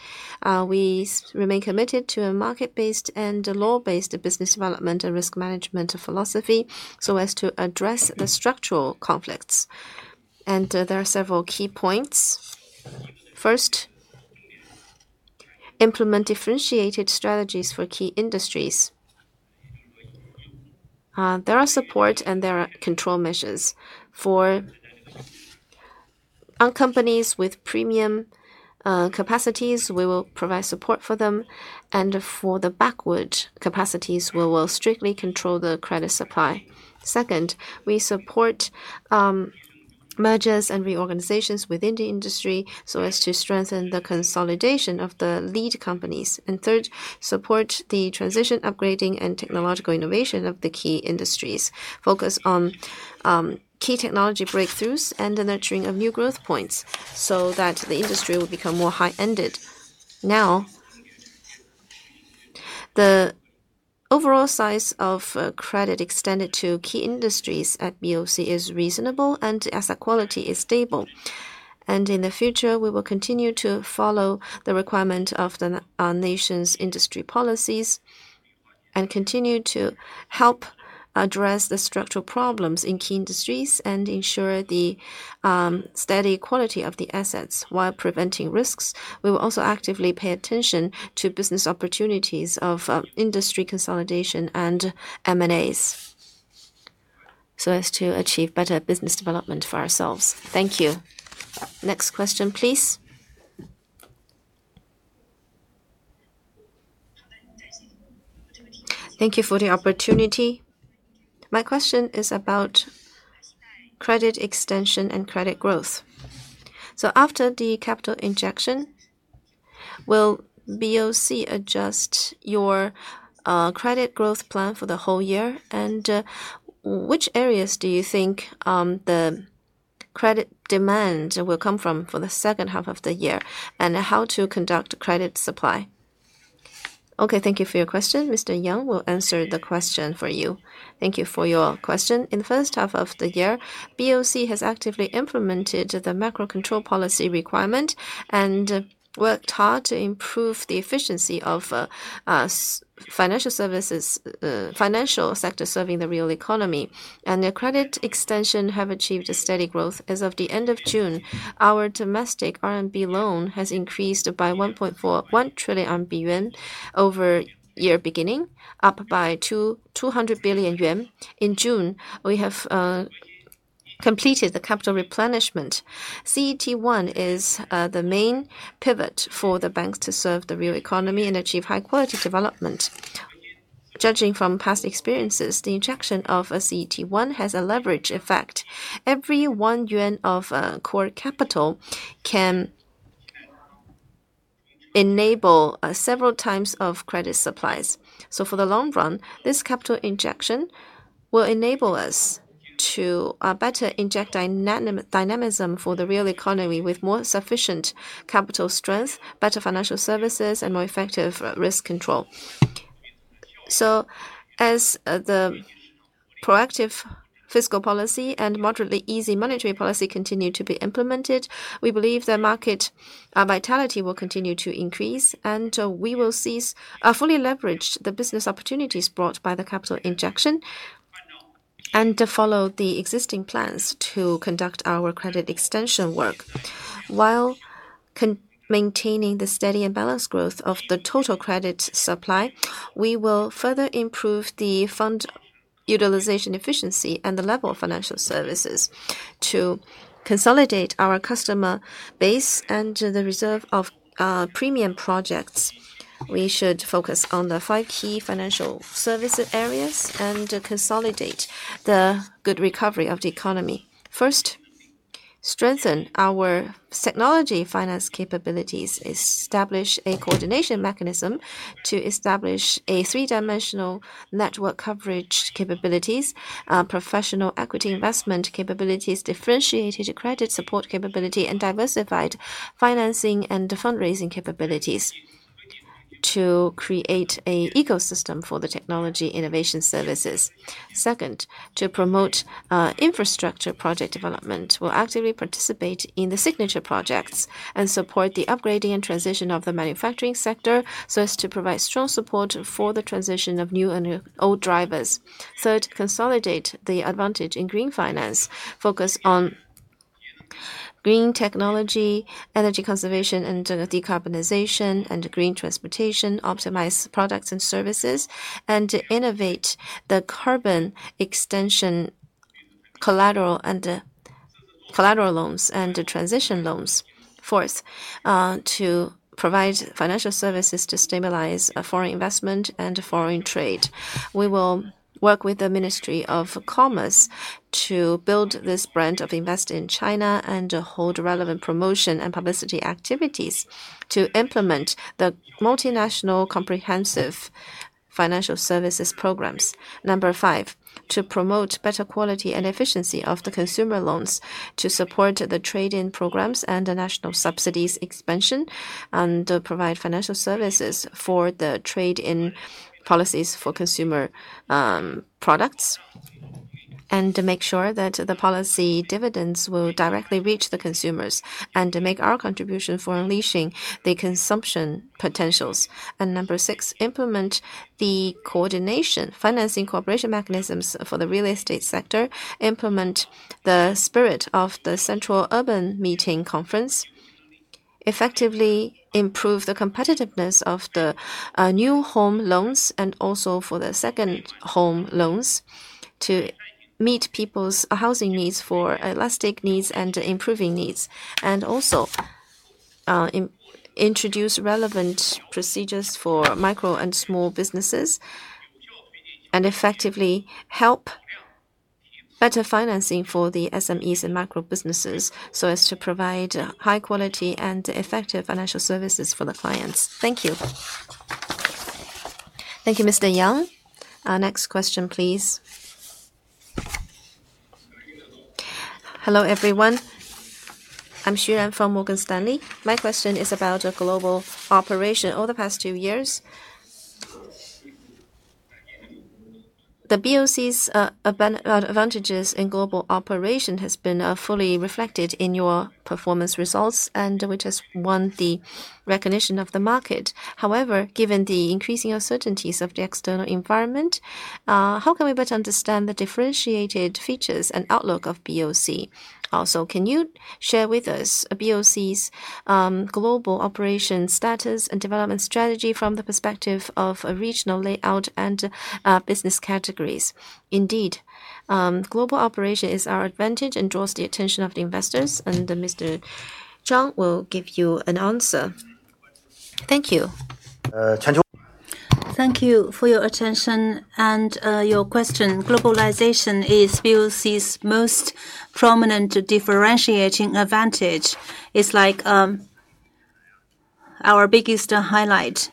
We remain committed to a market-based and law-based business development and risk management philosophy so as to address the structural conflicts. There are several key points. First, implement differentiated strategies for key industries. There are support and there are control measures. For companies with premium capacities, we will provide support for them. For the backward capacities, we will strictly control the credit supply. Second, we support mergers and reorganizations within the industry so as to strengthen the consolidation of the lead companies. Third, support the transition, upgrading, and technological innovation of the key industries. Focus on key technology breakthroughs and the nurturing of new growth points so that the industry will become more high-ended. Now, the overall size of credit extended to key industries at Bank of China is reasonable, and asset quality is stable. In the future, we will continue to follow the requirement of the nation's industry policies and continue to help address the structural problems in key industries and ensure the steady quality of the assets while preventing risks. We will also actively pay attention to business opportunities of industry consolidation and M&As to achieve better business development for ourselves. Thank you. Next question, please. Thank you for the opportunity. My question is about credit extension and credit growth. After the capital injection, will Bank of China adjust your credit growth plan for the whole year? Which areas do you think the credit demand will come from for the second half of the year and how to conduct credit supply? Thank you for your question. Mr. Yang will answer the question for you. Thank you for your question. In the first half of the year, Bank of China has actively implemented the macro control policy requirement and worked hard to improve the efficiency of financial sectors serving the real economy. The credit extension has achieved a steady growth. As of the end of June, our domestic RMB loan has increased by 1.41 trillion yuan over year beginning, up by 200 billion yuan. In June, we have completed the capital replenishment. Core Tier 1 capital is the main pivot for the banks to serve the real economy and achieve high-quality development. Judging from past experiences, the injection of Core Tier 1 capital has a leverage effect. Every 1 yuan of core capital can enable several types of credit supplies. For the long run, this capital injection will enable us to better inject dynamism for the real economy with more sufficient capital strength, better financial services, and more effective risk control. As the proactive fiscal policy and moderately easy monetary policy continue to be implemented, we believe that market vitality will continue to increase, and we will fully leverage the business opportunities brought by the capital injection and follow the existing plans to conduct our credit extension work. While maintaining the steady and balanced growth of the total credit supply, we will further improve the fund utilization efficiency and the level of financial services to consolidate our customer base and the reserve of premium projects. We should focus on the five key financial services areas and consolidate the good recovery of the economy. First, strengthen our technology finance capabilities. Establish a coordination mechanism to establish a three-dimensional network coverage capabilities, professional equity investment capabilities, differentiated credit support capability, and diversified financing and fundraising capabilities to create an ecosystem for the technology innovation services. Second, to promote infrastructure project development. We'll actively participate in the signature projects and support the upgrading and transition of the manufacturing sector so as to provide strong support for the transition of new and old drivers. Third, consolidate the advantage in green finance. Focus on green technology, energy conservation, and decarbonization, and green transportation. Optimize products and services and innovate the carbon extension collateral loans and transition loans. Fourth, to provide financial services to stabilize foreign investment and foreign trade. We will work with the Ministry of Commerce to build this brand of investing in China and hold relevant promotion and publicity activities to implement the multinational comprehensive financial services programs. Number five, to promote better quality and efficiency of the consumer loans, to support the trade-in programs and the national subsidies expansion, and provide financial services for the trade-in policies for consumer products, and make sure that the policy dividends will directly reach the consumers and make our contribution for unleashing the consumption potentials. Number six, implement the coordination financing cooperation mechanisms for the real estate sector, implement the spirit of the Central Urban Meeting Conference, effectively improve the competitiveness of the new home loans and also for the second home loans to meet people's housing needs for elastic needs and improving needs, and also introduce relevant procedures for micro and small businesses and effectively help better financing for the SMEs and micro businesses so as to provide high-quality and effective financial services for the finance. Thank you. Thank you, Mr. Yang. Next question, please. Hello, everyone. I'm Xu Yan from Morgan Stanley. My question is about global operation over the past two years. The BOC's advantages in global operation have been fully reflected in your performance results, which has won the recognition of the market. However, given the increasing uncertainties of the external environment, how can we better understand the differentiated features and outlook of BOC? Also, can you share with us BOC's global operation status and development strategy from the perspective of regional layout and business categories? Indeed, global operation is our advantage and draws the attention of the investors. Mr. Zhang will give you an answer. Thank you. Thank you for your attention and your question. Globalization is BOC's most prominent differentiating advantage. It's like our biggest highlight.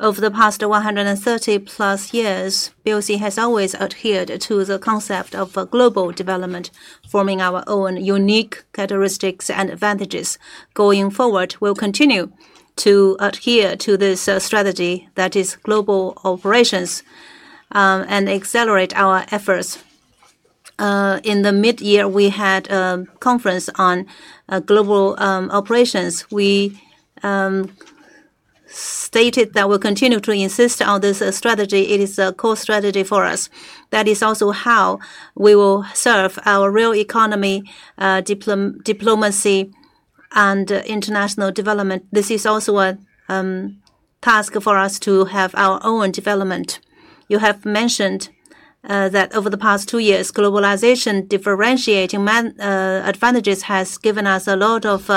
Over the past 130+ years, BOC has always adhered to the concept of global development, forming our own unique characteristics and advantages. Going forward, we'll continue to adhere to this strategy that is global operations and accelerate our efforts. In the mid-year, we had a conference on global operations. We stated that we'll continue to insist on this strategy. It is a core strategy for us. That is also how we will serve our real economy, diplomacy, and international development. This is also a task for us to have our own development. You have mentioned that over the past two years, globalization differentiating advantages has given us a lot of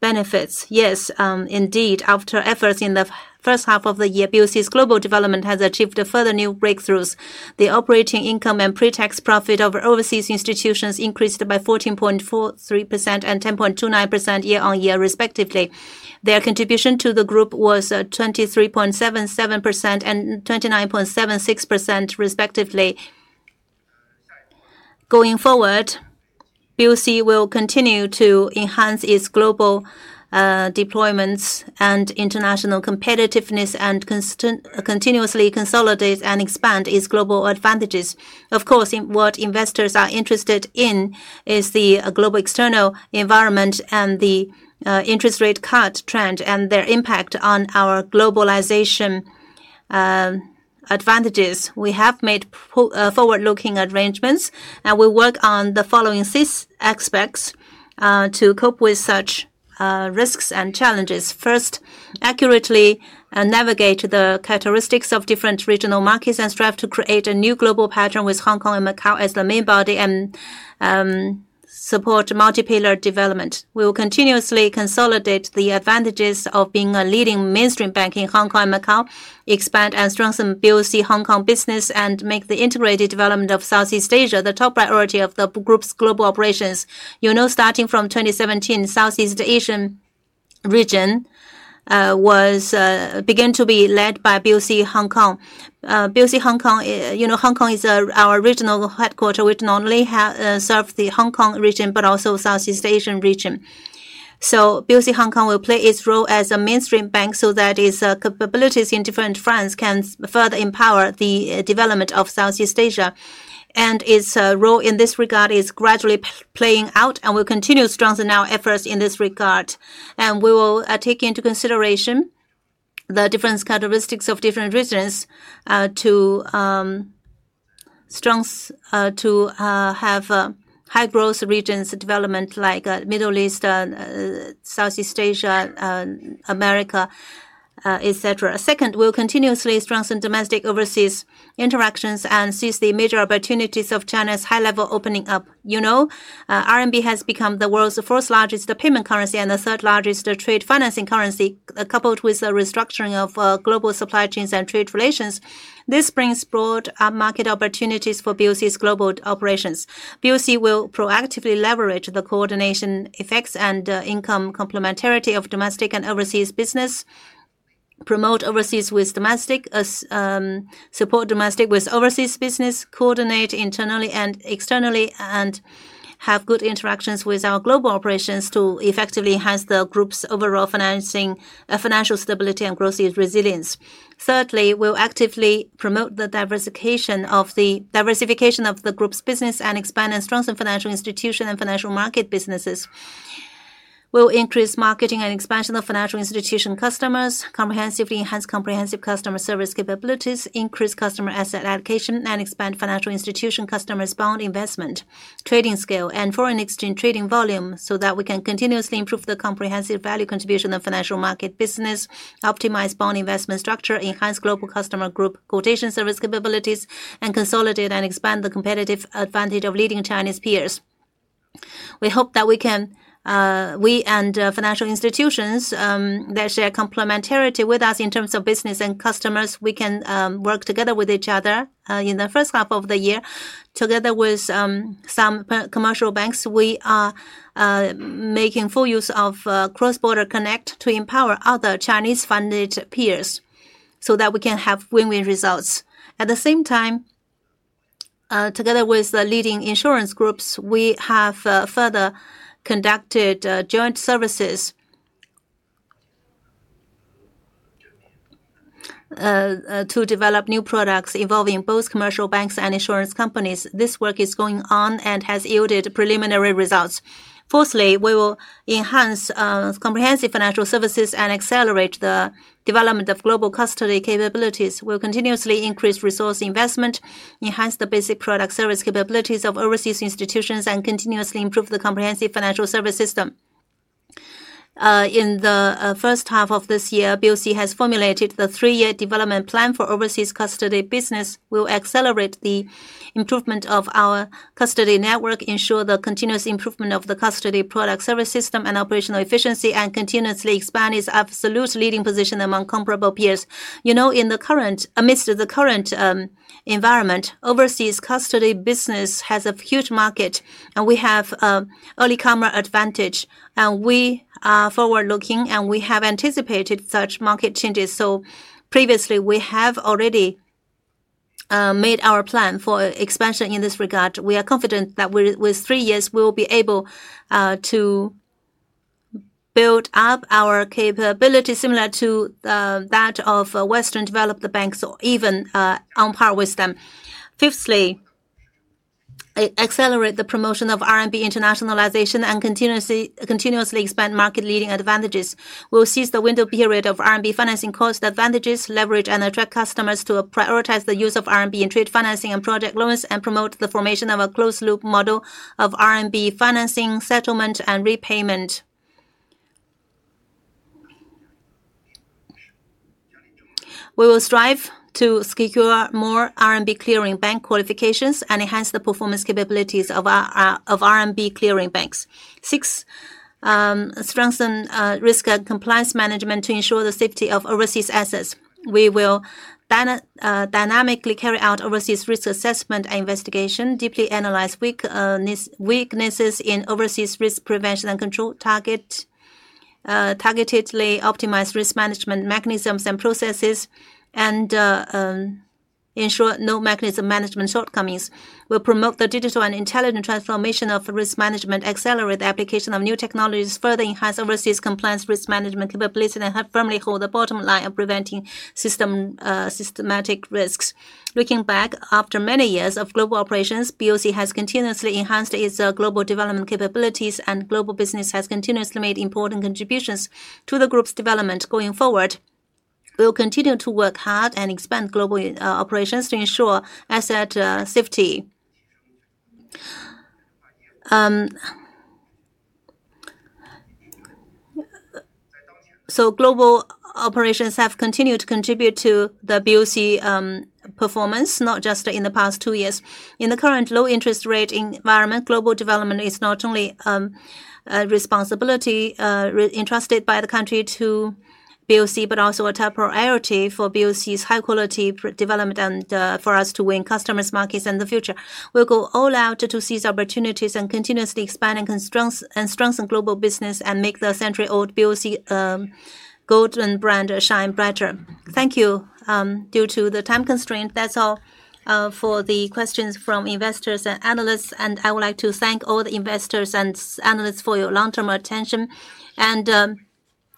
benefits. Yes, indeed. After efforts in the first half of the year, BOC's global development has achieved further new breakthroughs. The operating income and pre-tax profit of overseas institutions increased by 14.43% and 10.29% year onyear, respectively. Their contribution to the group was 23.77% and 29.76%, respectively. Going forward, Bank of China will continue to enhance its global deployments and international competitiveness and continuously consolidate and expand its global advantages. Of course, what investors are interested in is the global external environment and the interest rate cut trend and their impact on our globalization advantages. We have made forward-looking arrangements, and we work on the following six aspects to cope with such risks and challenges. First, accurately navigate the characteristics of different regional markets and strive to create a new global pattern with Hong Kong and Macau as the main body and support multi-pillar development. We will continuously consolidate the advantages of being a leading mainstream bank in Hong Kong and Macau, expand and strengthen Bank of China Hong Kong business, and make the integrated development of Southeast Asia the top priority of the group's global operations. Starting from 2017, Southeast Asian region began to be led by Bank of China Hong Kong. Hong Kong is our regional headquarters, which not only serves the Hong Kong region but also the Southeast Asian region. Bank of China Hong Kong will play its role as a mainstream bank so that its capabilities in different fronts can further empower the development of Southeast Asia. Its role in this regard is gradually playing out, and we will continue to strengthen our efforts in this regard. We will take into consideration the different characteristics of different regions to have high-growth regions development like the Middle East, Southeast Asia, America, etc. Second, we will continuously strengthen domestic overseas interactions and seize the major opportunities of China's high-level opening up. RMB has become the world's fourth-largest payment currency and the third-largest trade financing currency, coupled with the restructuring of global supply chains and trade relations. This brings broad market opportunities for Bank of China's global operations. Bank of China will proactively leverage the coordination effects and income complementarity of domestic and overseas business, promote overseas with domestic, support domestic with overseas business, coordinate internally and externally, and have good interactions with our global operations to effectively enhance the group's overall financial stability and growth resilience. Thirdly, we will actively promote the diversification of the group's business and expand and strengthen financial institution and financial market businesses. We will increase marketing and expansion of financial institution customers, comprehensively enhance comprehensive customer service capabilities, increase customer asset allocation, and expand financial institution customers' bond investment, trading scale, and foreign exchange trading volume, so that we can continuously improve the comprehensive value contribution of financial market business, optimize bond investment structure, enhance global customer group quotation service capabilities, and consolidate and expand the competitive advantage of leading Chinese peers. We hope that we and financial institutions that share complementarity with us in terms of business and customers can work together with each other in the first half of the year. Together with some commercial banks, we are making full use of cross-border connect to empower other Chinese-funded peers so that we can have win-win results. At the same time, together with leading insurance groups, we have further conducted joint services to develop new products involving both commercial banks and insurance companies. This work is going on and has yielded preliminary results. Fourthly, we will enhance comprehensive financial services and accelerate the development of global custody capabilities. We will continuously increase resource investment, enhance the basic product service capabilities of overseas institutions, and continuously improve the comprehensive financial service system. In the first half of this year, Bank of China has formulated the three-year development plan for overseas custody business. We will accelerate the improvement of our custody network, ensure the continuous improvement of the custody product service system and operational efficiency, and continuously expand its absolute leading position among comparable peers. You know, amidst the current environment, overseas custody business has a huge market, and we have an early-comer advantage. We are forward-looking, and we have anticipated such market changes. Previously, we have already made our plan for expansion in this regard. We are confident that within three years, we will be able to build up our capability similar to that of Western developed banks or even on par with them. Fifthly, accelerate the promotion of RMB internationalization and continuously expand market leading advantages. We will seize the window period of RMB financing cost advantages, leverage, and attract customers to prioritize the use of RMB in trade financing and project loans and promote the formation of a closed-loop model of RMB financing, settlement, and repayment. We will strive to secure more RMB clearing bank qualifications and enhance the performance capabilities of RMB clearing banks. Sixth, strengthen risk compliance management to ensure the safety of overseas assets. We will dynamically carry out overseas risk assessment and investigation, deeply analyze weaknesses in overseas risk prevention and control, targetedly optimize risk management mechanisms and processes, and ensure no mechanism management shortcomings. We will promote the digital and intelligent transformation of risk management, accelerate the application of new technologies, further enhance overseas compliance risk management capabilities, and firmly hold the bottom line of preventing systematic risks. Looking back, after many years of global operations, Bank of China has continuously enhanced its global development capabilities, and global business has continuously made important contributions to the group's development. Going forward, we will continue to work hard and expand global operations to ensure asset safety. Global operations have continued to contribute to the Bank of China performance, not just in the past two years. In the current low-interest rate environment, global development is not only a responsibility entrusted by the country to Bank of China, but also a top priority for Bank of China's high-quality development and for us to win customers, markets, and the future. We'll go all out to seize opportunities and continuously expand and strengthen global business and make the century-old Bank of China golden brand shine brighter. Thank you. Due to the time constraint, that's all for the questions from investors and analysts. I would like to thank all the investors and analysts for your long-term attention and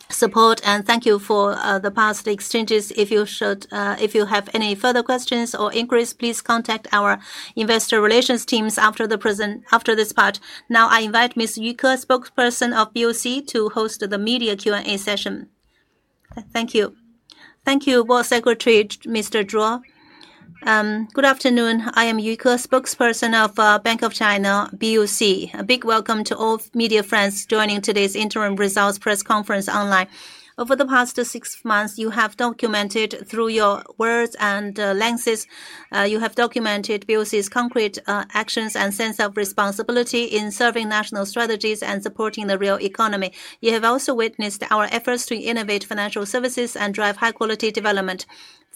support. Thank you for the past exchanges. If you have any further questions or inquiries, please contact our investor relations teams after this part. Now, I invite Ms. Yu Ke, Spokesperson of Bank of China, to host the media Q&A session. Thank you. Thank you, Board Secretary Mr. Zhuo. Good afternoon. I am Yu Ke, Spokesperson of Bank of China. A big welcome to all media friends joining today's interim results press conference online. Over the past six months, you have documented through your words and lenses, you have documented Bank of China's concrete actions and sense of responsibility in serving national strategies and supporting the real economy. You have also witnessed our efforts to innovate financial services and drive high-quality development.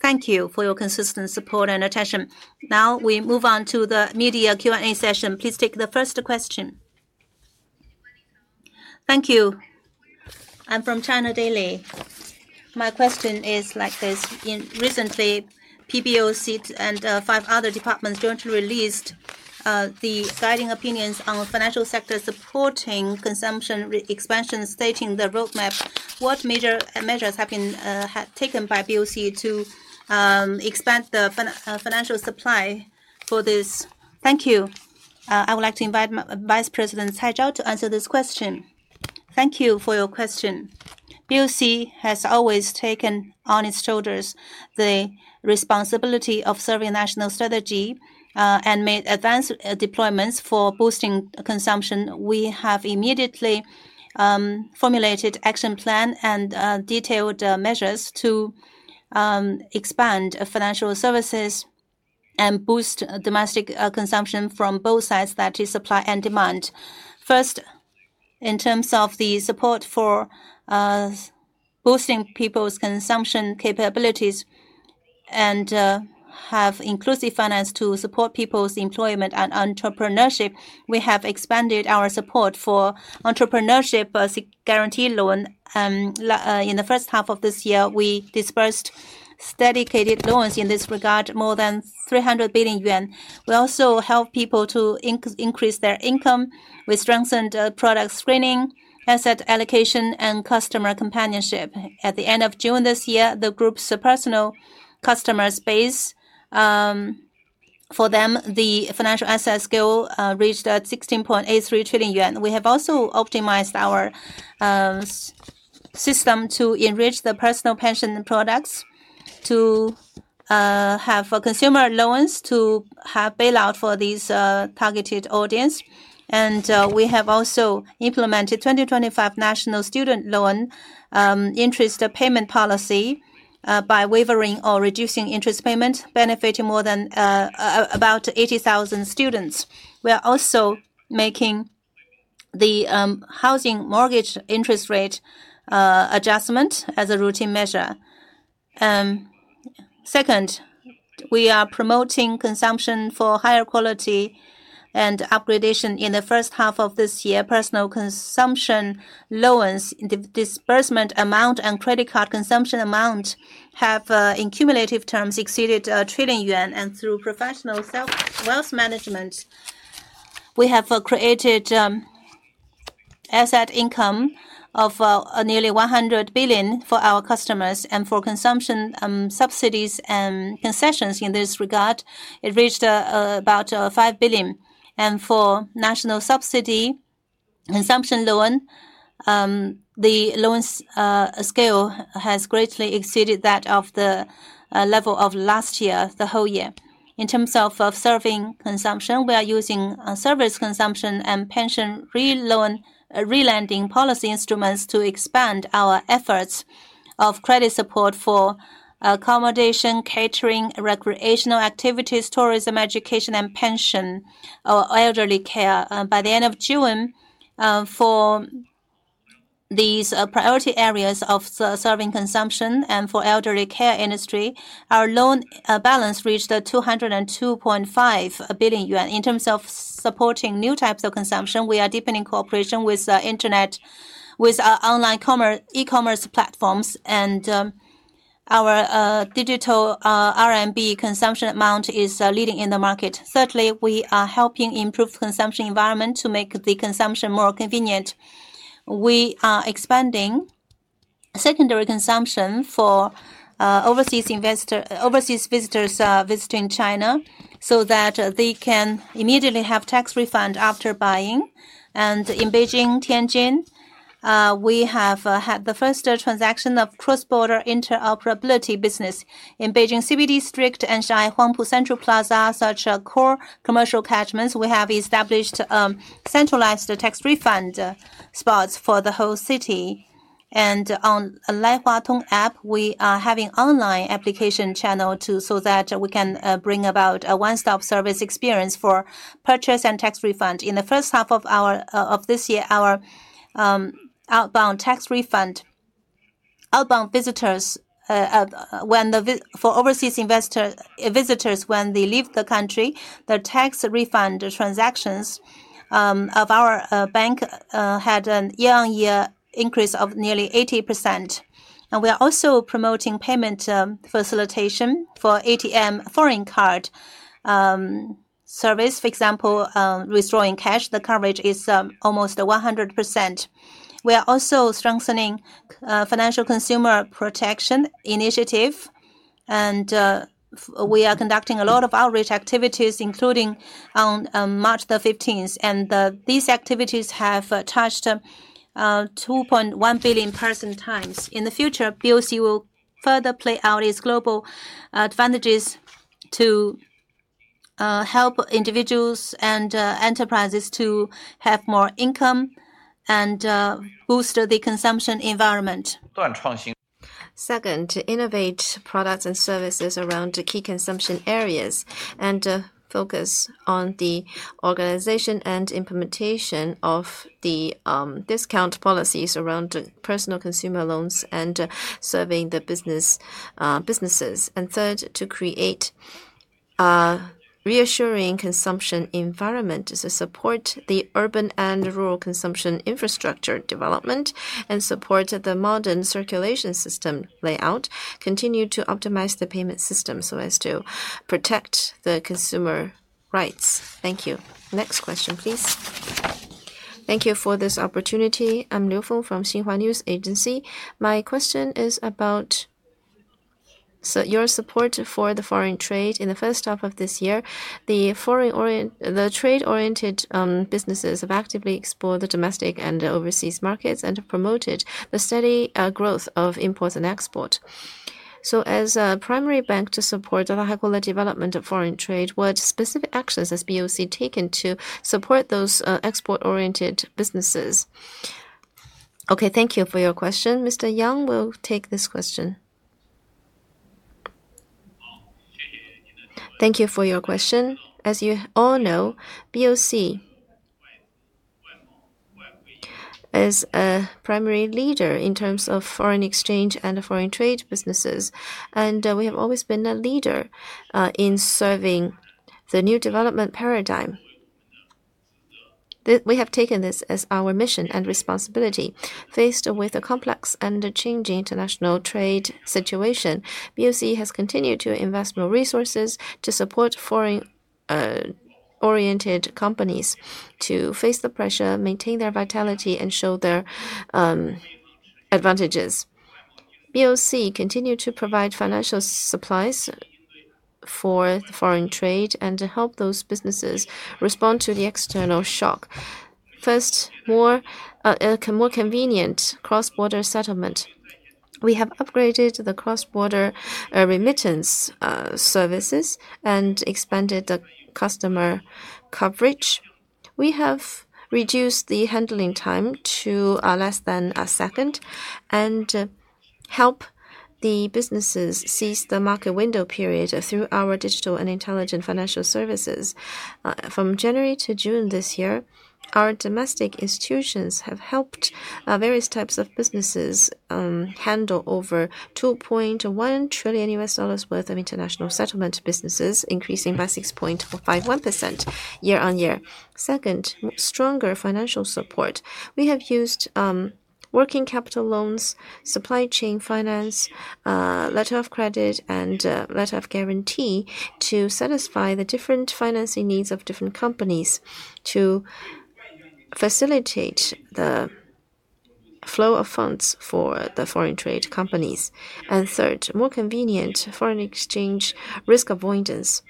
Thank you for your consistent support and attention. Now, we move on to the media Q&A session. Please take the first question. Thank you. I'm from China Daily. My question is like this. Recently, PBOC and five other departments jointly released the guiding opinions on financial sector supporting consumption expansion, stating the roadmap. What major measures have been taken by Bank of China to expand the financial supply for this? Thank you. I would like to invite Vice President Zhao Cai to answer this question. Thank you for your question. Bank of China has always taken on its shoulders the responsibility of serving national strategy and made advanced deployments for boosting consumption. We have immediately formulated an action plan and detailed measures to expand financial services and boost domestic consumption from both sides, that is supply and demand. First, in terms of the support for boosting people's consumption capabilities and have inclusive finance to support people's employment and entrepreneurship, we have expanded our support for entrepreneurship guarantee loan. In the first half of this year, we dispersed dedicated loans in this regard, more than 300 billion yuan. We also help people to increase their income. We strengthened product screening, asset allocation, and customer companionship. At the end of June this year, the group's personal customers base, for them, the financial asset scale reached 16.83 trillion yuan. We have also optimized our system to enrich the personal pension products to have consumer loans to have bailout for this targeted audience. We have also implemented 2025 National Student Loan interest payment policy by waiving or reducing interest payment, benefiting more than about 80,000 students. We are also making the housing mortgage interest rate adjustment as a routine measure. Second, we are promoting consumption for higher quality and upgradation. In the first half of this year, personal consumption loans, the disbursement amount, and credit card consumption amount have in cumulative terms exceeded 1 trillion yuan. Through professional self-wealth management, we have created asset income of nearly 100 billion for our customers. For consumption subsidies and concessions in this regard, it reached about 5 billion. For national subsidy consumption loan, the loan scale has greatly exceeded that of the level of last year, the whole year. In terms of serving consumption, we are using service consumption and pension relending policy instruments to expand our efforts of credit support for accommodation, catering, recreational activities, tourism, education, and pension or elderly care. By the end of June, for these priority areas of serving consumption and for the elderly care industry, our loan balance reached 202.5 billion yuan. In terms of supporting new types of consumption, we are deepening cooperation with our online e-commerce platforms, and our digital RMB consumption amount is leading in the market. Thirdly, we are helping improve the consumption environment to make the consumption more convenient. We are expanding secondary consumption for overseas visitors visiting China so that they can immediately have a tax refund after buying. In Beijing and Tianjin, we have had the first transaction of cross-border interoperability business. In Beijing CBD Street, Anshai, Huangpu Central Plaza, such core commercial catchments, we have established centralized tax refund spots for the whole city. On LifeWatung app, we are having an online application channel so that we can bring about a one-stop service experience for purchase and tax refund. In the first half of this year, our outbound tax refund for overseas visitors, when they leave the country, the tax refund transactions of our bank had a year-on-year increase of nearly 80%. We are also promoting payment facilitation for ATM foreign card service. For example, withdrawing cash, the coverage is almost 100%. We are also strengthening the financial consumer protection initiative. We are conducting a lot of outreach activities, including on March 15. These activities have touched 2.1 billion person times. In the future, Bank of China will further play out its global advantages to help individuals and enterprises to have more income and boost the consumption environment. Second, innovate products and services around the key consumption areas and focus on the organization and implementation of the discount policies around personal consumer loans and serving the businesses. Third, to create a reassuring consumption environment to support the urban and rural consumption infrastructure development and support the modern circulation system layout. Continue to optimize the payment system so as to protect the consumer rights. Thank you. Next question, please. Thank you for this opportunity. I'm Liuyang from Xinhua News Agency. My question is about your support for the foreign trade. In the first half of this year, the trade-oriented businesses have actively explored the domestic and overseas markets and have promoted the steady growth of imports and exports. As a primary bank to support the high-quality development of foreign trade, what specific actions has Bank of China taken to support those export-oriented businesses? Thank you for your question. Mr. Yang will take this question. Thank you for your question. As you all know, Bank of China is a primary leader in terms of foreign exchange and foreign trade businesses. We have always been a leader in serving the new development paradigm. We have taken this as our mission and responsibility. Faced with a complex and changing international trade situation, Bank of China has continued to invest more resources to support foreign-oriented companies to face the pressure, maintain their vitality, and show their advantages. Bank of China continues to provide financial supplies for foreign trade and help those businesses respond to the external shock. First, more convenient cross-border settlement. We have upgraded the cross-border remittance services and expanded the customer coverage. We have reduced the handling time to less than a second and helped the businesses seize the market window period through our digital and intelligent financial services. From January to June this year, our domestic institutions have helped various types of businesses handle over $2.1 trillion worth of international settlement businesses, increasing by 6.51% year on year. Second, stronger financial support. We have used working capital loans, supply chain finance, letter of credit, and letter of guarantee to satisfy the different financing needs of different companies to facilitate the flow of funds for the foreign trade companies. Third, more convenient foreign exchange risk avoidance.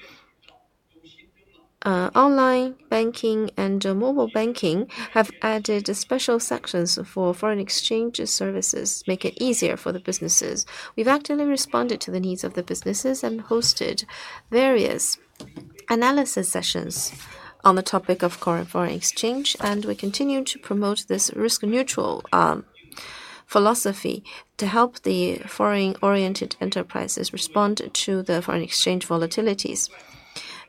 Online banking and mobile banking have added special sections for foreign exchange services, making it easier for the businesses. We've actively responded to the needs of the businesses and hosted various analysis sessions on the topic of foreign exchange. We continue to promote this risk-neutral philosophy to help the foreign-oriented enterprises respond to the foreign exchange volatilities.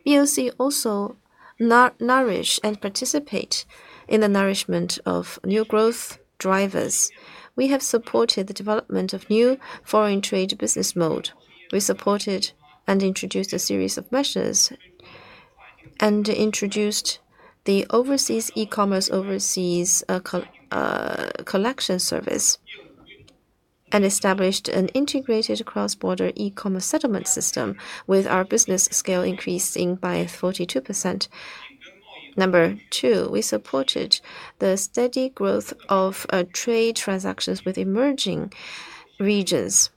Bank of China also nourish and participate in the nourishment of new growth drivers. We have supported the development of new foreign trade business mode. We supported and introduced a series of measures and introduced the e-commerce overseas collection service and established an integrated cross-border e-commerce settlement system with our business scale increasing by 42%. Number two, we supported the steady growth of trade transactions with emerging regions.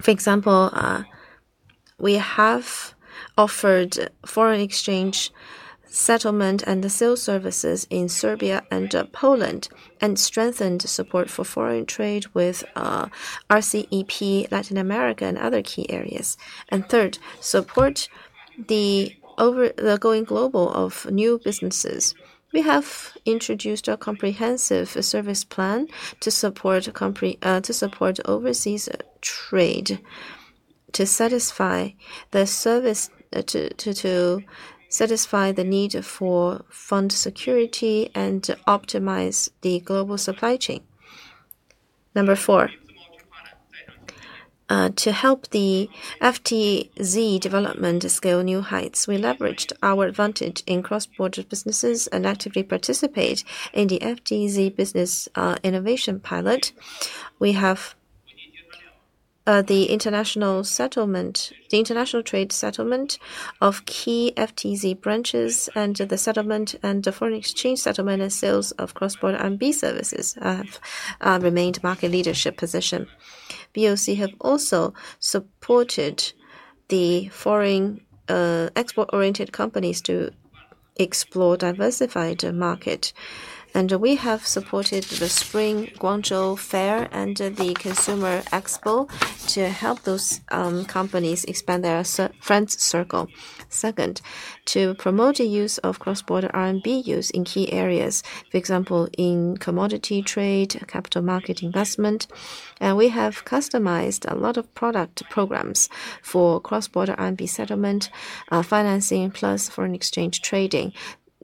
For example, we have offered foreign exchange settlement and the sales services in Serbia and Poland and strengthened support for foreign trade with RCEP, Latin America, and other key areas. Third, support the going global of new businesses. We have introduced a comprehensive service plan to support overseas trade to satisfy the need for fund security and optimize the global supply chain. Number four, to help the FTZ development scale new heights, we leveraged our advantage in cross-border businesses and actively participate in the FTZ business innovation pilot. We have the international trade settlement of key FTZ branches and the foreign exchange settlement and sales of cross-border RMB services have remained a market leadership position. Bank of China have also supported the foreign export-oriented companies to explore diversified markets. We have supported the Spring Guangzhou Fair and the Consumer Expo to help those companies expand their friend circle. Second, to promote the use of cross-border RMB use in key areas, for example, in commodity trade, capital market investment. We have customized a lot of product programs for cross-border RMB settlement, financing, plus foreign exchange trading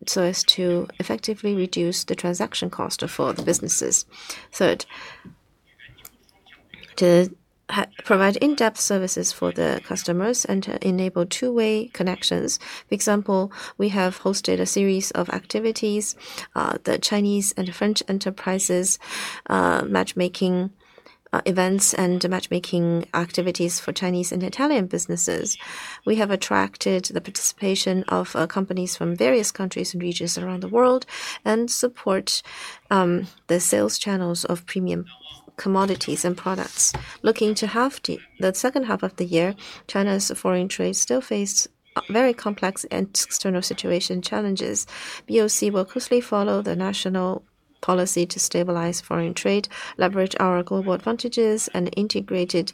so as to effectively reduce the transaction cost for the businesses. Third, to provide in-depth services for the customers and enable two-way connections. For example, we have hosted a series of activities, the Chinese and French enterprises, matchmaking events, and matchmaking activities for Chinese and Italian businesses. We have attracted the participation of companies from various countries and regions around the world and support the sales channels of premium commodities and products. Looking to the second half of the year, China's foreign trade still faces very complex external situation challenges. Bank of China will closely follow the national policy to stabilize foreign trade, leverage our global advantages, and integrated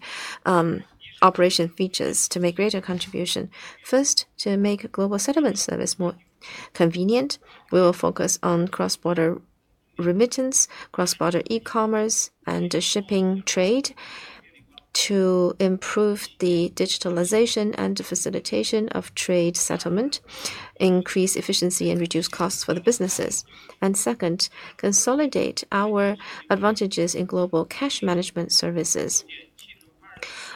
operation features to make greater contribution. First, to make global settlement service more convenient, we will focus on cross-border remittance, cross-border e-commerce, and shipping trade to improve the digitalization and facilitation of trade settlement, increase efficiency, and reduce costs for the businesses. Second, consolidate our advantages in global cash management services.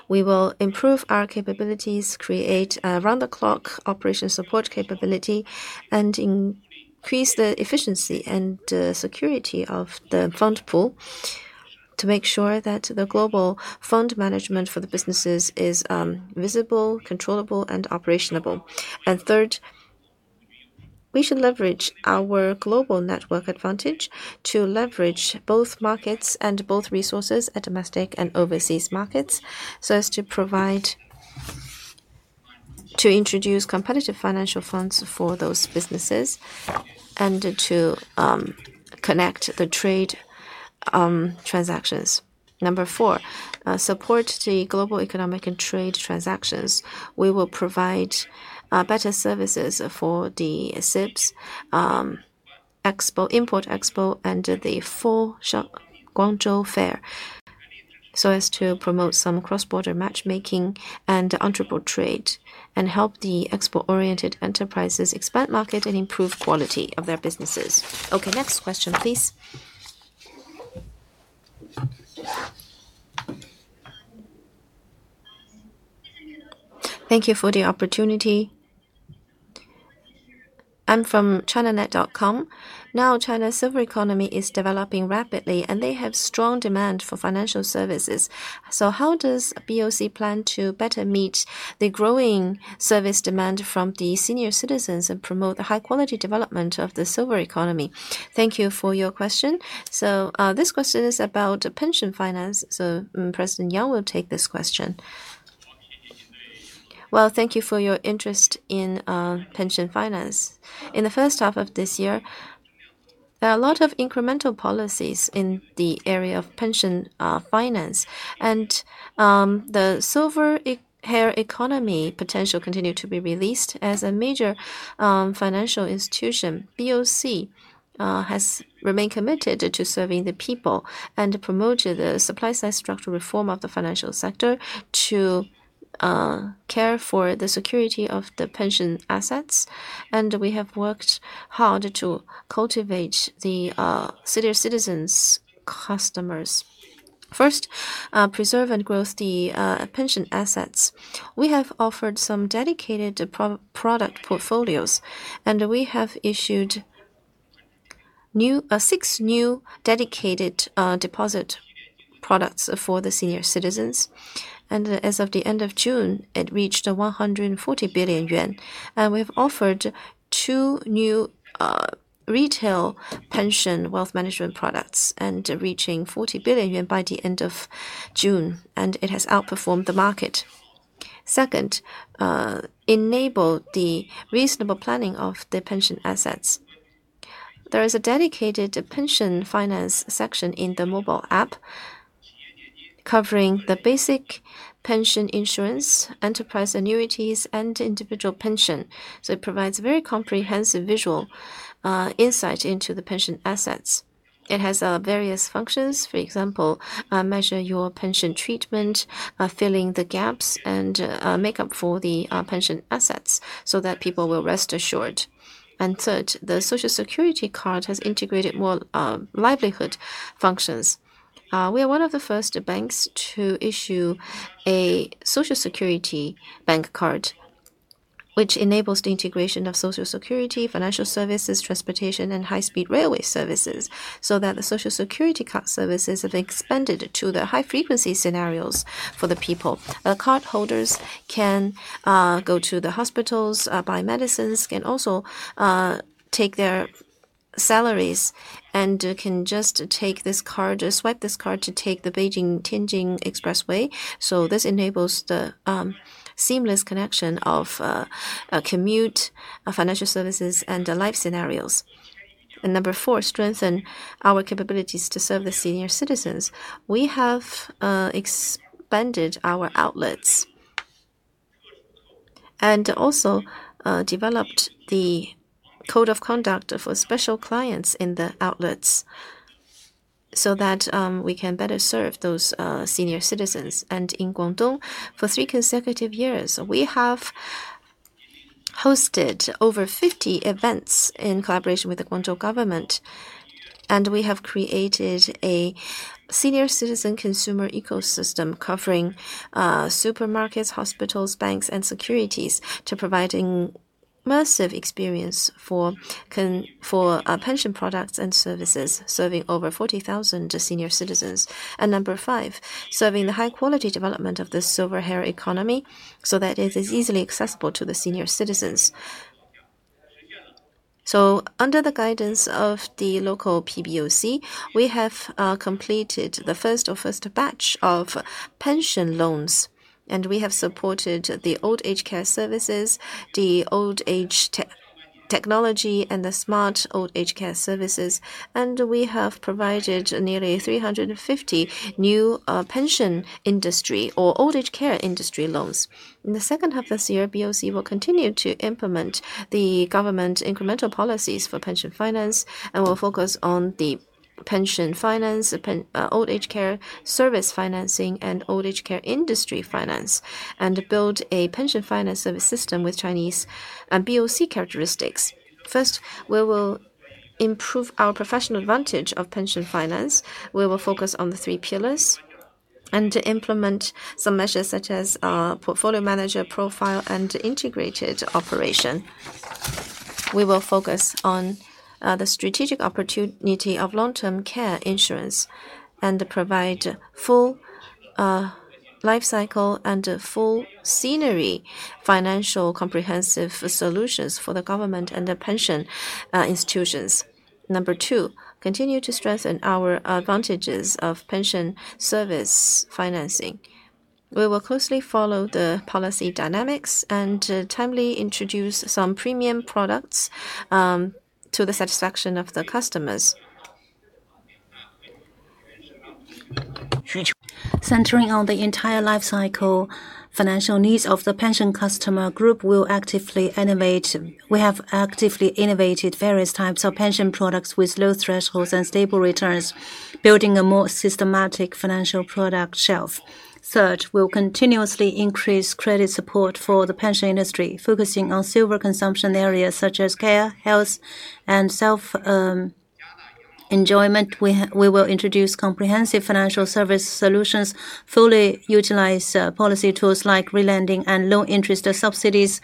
We will improve our capabilities, create a round-the-clock operation support capability, and increase the efficiency and security of the fund pool to make sure that the global fund management for the businesses is visible, controllable, and operational. Third, we should leverage our global network advantage to leverage both markets and both resources, domestic and overseas markets, so as to introduce competitive financial funds for those businesses and to connect the trade transactions. Number four, support the global economic and trade transactions. We will provide better services for the CIIE, Import Expo, and the Canton Fair so as to promote some cross-border matchmaking and entrepreneurship trade and help the export-oriented enterprises expand market and improve quality of their businesses. Next question, please. Thank you for the opportunity. I'm from chinanet.com. Now, China's silver economy is developing rapidly, and they have strong demand for financial services. How does Bank of China plan to better meet the growing service demand from the senior citizens and promote the high-quality development of the silver economy? Thank you for your question. This question is about pension finance. President Jun Yang will take this question. Thank you for your interest in pension finance. In the first half of this year, there are a lot of incremental policies in the area of pension finance. The silver economy potential continues to be released. As a major financial institution, Bank of China has remained committed to serving the people and promoted the supply-side structure reform of the financial sector to care for the security of the pension assets. We have worked hard to cultivate the senior citizens' customers. First, preserve and grow the pension assets. We have offered some dedicated product portfolios. We have issued six new dedicated deposit products for the senior citizens. As of the end of June, it reached 140 billion yuan. We have offered two new retail pension wealth management products, reaching 40 billion yuan by the end of June, and it has outperformed the market. Second, enable the reasonable planning of the pension assets. There is a dedicated pension finance section in the mobile app covering the basic pension insurance, enterprise annuities, and individual pension. It provides a very comprehensive visual insight into the pension assets. It has various functions, for example, measure your pension treatment, filling the gaps, and make up for the pension assets so that people will rest assured. Third, the Social Security card has integrated more livelihood functions. We are one of the first banks to issue a Social Security bank card, which enables the integration of Social Security, financial services, transportation, and high-speed railway services so that the Social Security card services have expanded to the high-frequency scenarios for the people. Cardholders can go to the hospitals, buy medicines, can also take their salaries, and can just take this card, swipe this card to take the Beijing-Tianjin Expressway. This enables the seamless connection of commute, financial services, and life scenarios. Number four, strengthen our capabilities to serve the senior citizens. We have expanded our outlets and also developed the code of conduct for special clients in the outlets so that we can better serve those senior citizens. In Guangdong, for three consecutive years, we have hosted over 50 events in collaboration with the Guangdong government. We have created a senior citizen consumer ecosystem covering supermarkets, hospitals, banks, and securities to provide an immersive experience for pension products and services serving over 40,000 senior citizens. Number five, serving the high-quality development of the silver economy so that it is easily accessible to the senior citizens. Under the guidance of the local PBOC, we have completed the first batch of pension loans. We have supported the old age care services, the old age technology, and the smart old age care services. We have provided nearly 350 new pension industry or old age care industry loans. In the second half of this year, Bank of China will continue to implement the government incremental policies for pension finance and will focus on the pension finance, old age care service financing, and old age care industry finance and build a pension finance service system with Chinese Bank of China characteristics. First, we will improve our professional advantage of pension finance. We will focus on the three pillars and implement some measures such as portfolio manager profile and integrated operation. We will focus on the strategic opportunity of long-term care insurance and provide full lifecycle and full scenery financial comprehensive solutions for the government and the pension institutions. Number two, continue to strengthen our advantages of pension service financing. We will closely follow the policy dynamics and timely introduce some premium products to the satisfaction of the customers. Centering on the entire lifecycle, financial needs of the pension customer group will actively innovate. We have actively innovated various types of pension products with low thresholds and stable returns, building a more systematic financial product shelf. Third, we'll continuously increase credit support for the pension industry, focusing on silver consumption areas such as care, health, and self-enjoyment. We will introduce comprehensive financial service solutions, fully utilize policy tools like relending and low-interest subsidies,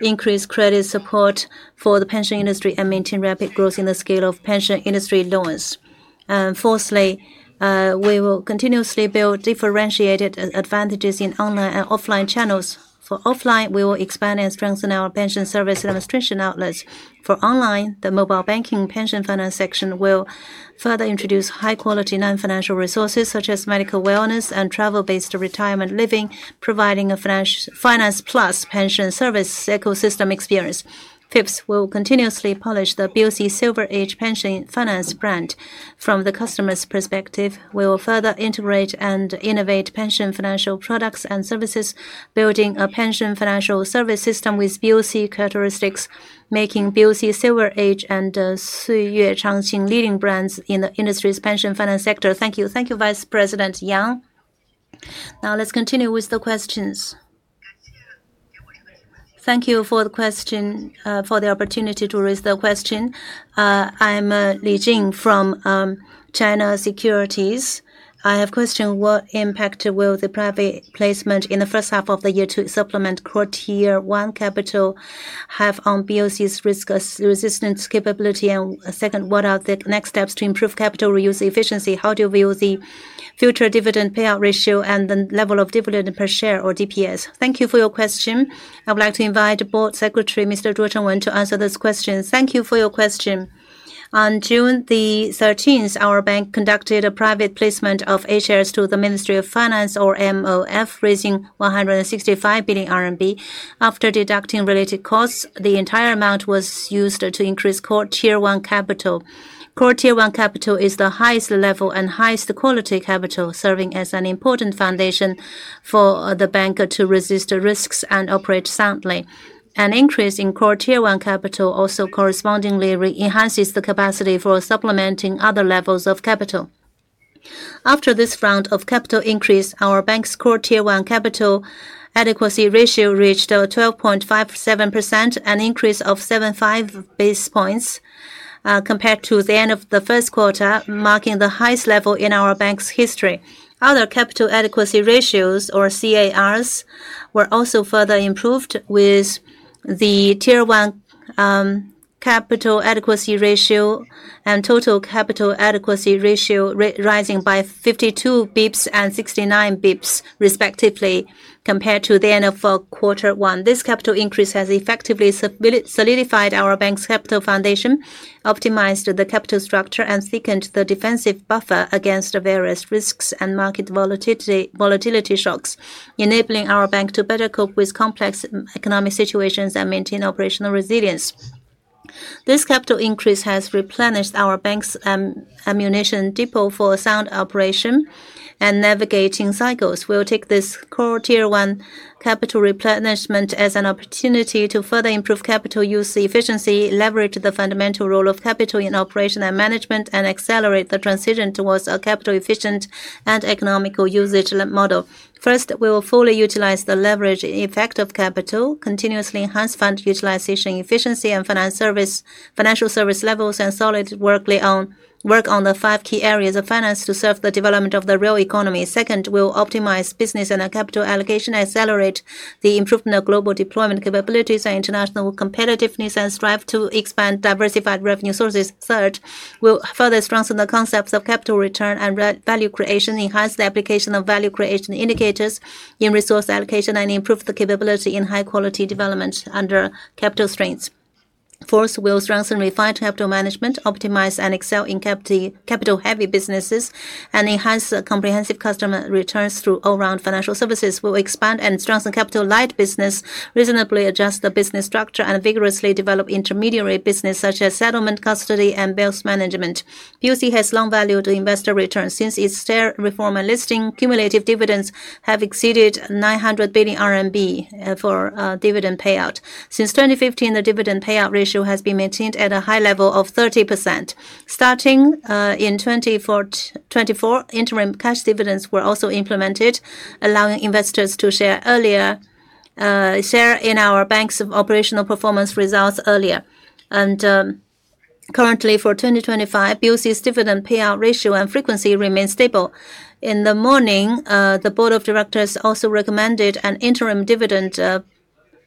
increase credit support for the pension industry, and maintain rapid growth in the scale of pension industry loans. Fourthly, we will continuously build differentiated advantages in online and offline channels. For offline, we will expand and strengthen our pension service demonstration outlets. For online, the mobile banking pension finance section will further introduce high-quality non-financial resources such as medical wellness and travel-based retirement living, providing a finance plus pension service ecosystem experience. Bank of China will continuously polish the Bank of China Silver Age Pension Finance brand. From the customer's perspective, we will further integrate and innovate pension financial products and services, building a pension financial service system with Bank of China characteristics, making Bank of China Silver Age and Suyue Changqing leading brands in the industry's pension finance sector. Thank you. Thank you, Vice President Yang. Now, let's continue with the questions. Thank you for the question, for the opportunity to raise the question. I'm Li Jing from China Securities. I have a question. What impact will the private placement in the first half of the year to supplement Core Tier 1 capital have on BOC's risk resistance capability? Second, what are the next steps to improve capital use efficiency? How do you view the future dividend payout ratio and the level of dividend per share or DPS? Thank you for your question. I would like to invite Board Secretary Mr. Chengwen Zhuo to answer this question. Thank you for your question. On June 13, our bank conducted a private placement of A shares to the Ministry of Finance, or MOF, raising 165 billion RMB. After deducting related costs, the entire amount was used to increase Core Tier 1 capital. Core Tier 1 capital is the highest level and highest quality capital, serving as an important foundation for the bank to resist the risks and operate soundly. An increase in Core Tier 1 capital also correspondingly enhances the capacity for supplementing other levels of capital. After this round of capital increase, our bank's Core Tier 1 capital adequacy ratio reached 12.57%, an increase of 75 basis points compared to the end of the first quarter, marking the highest level in our bank's history. Other capital adequacy ratios, or CARs, were also further improved with the Tier 1 capital adequacy ratio and total capital adequacy ratio rising by 52 basis points and 69 basis points, respectively, compared to the end of the first quarter. This capital increase has effectively solidified our bank's capital foundation, optimized the capital structure, and thickened the defensive buffer against various risks and market volatility shocks, enabling our bank to better cope with complex economic situations and maintain operational resilience. This capital increase has replenished our bank's ammunition depot for sound operation and navigating cycles. We'll take this Core Tier 1 capital replenishment as an opportunity to further improve capital use efficiency, leverage the fundamental role of capital in operation and management, and accelerate the transition towards a capital-efficient and economical usage model. First, we will fully utilize the leverage effect of capital, continuously enhance fund utilization efficiency and financial service levels, and solid work on the five key areas of finance to serve the development of the real economy. Second, we'll optimize business and capital allocation, accelerate the improvement of global deployment capabilities and international competitiveness, and strive to expand diversified revenue sources. Third, we'll further strengthen the concepts of capital return and value creation, enhance the application of value creation indicators in resource allocation, and improve the capability in high-quality development under capital strains. Fourth, we'll strengthen refined capital management, optimize and excel in capital-heavy businesses, and enhance comprehensive customer returns through all-round financial services. We'll expand and strengthen capital-light business, reasonably adjust the business structure, and vigorously develop intermediary business such as settlement, custody, and bails management. Bank of China has long valued investor returns. Since its share reform and listing, cumulative dividends have exceeded 900 billion RMB for dividend payout. Since 2015, the dividend payout ratio has been maintained at a high level of 30%. Starting in 2024, interim cash dividends were also implemented, allowing investors to share in our bank's operational performance results earlier. Currently, for 2025, Bank of China's dividend payout ratio and frequency remain stable. In the morning, the board of directors also recommended an interim dividend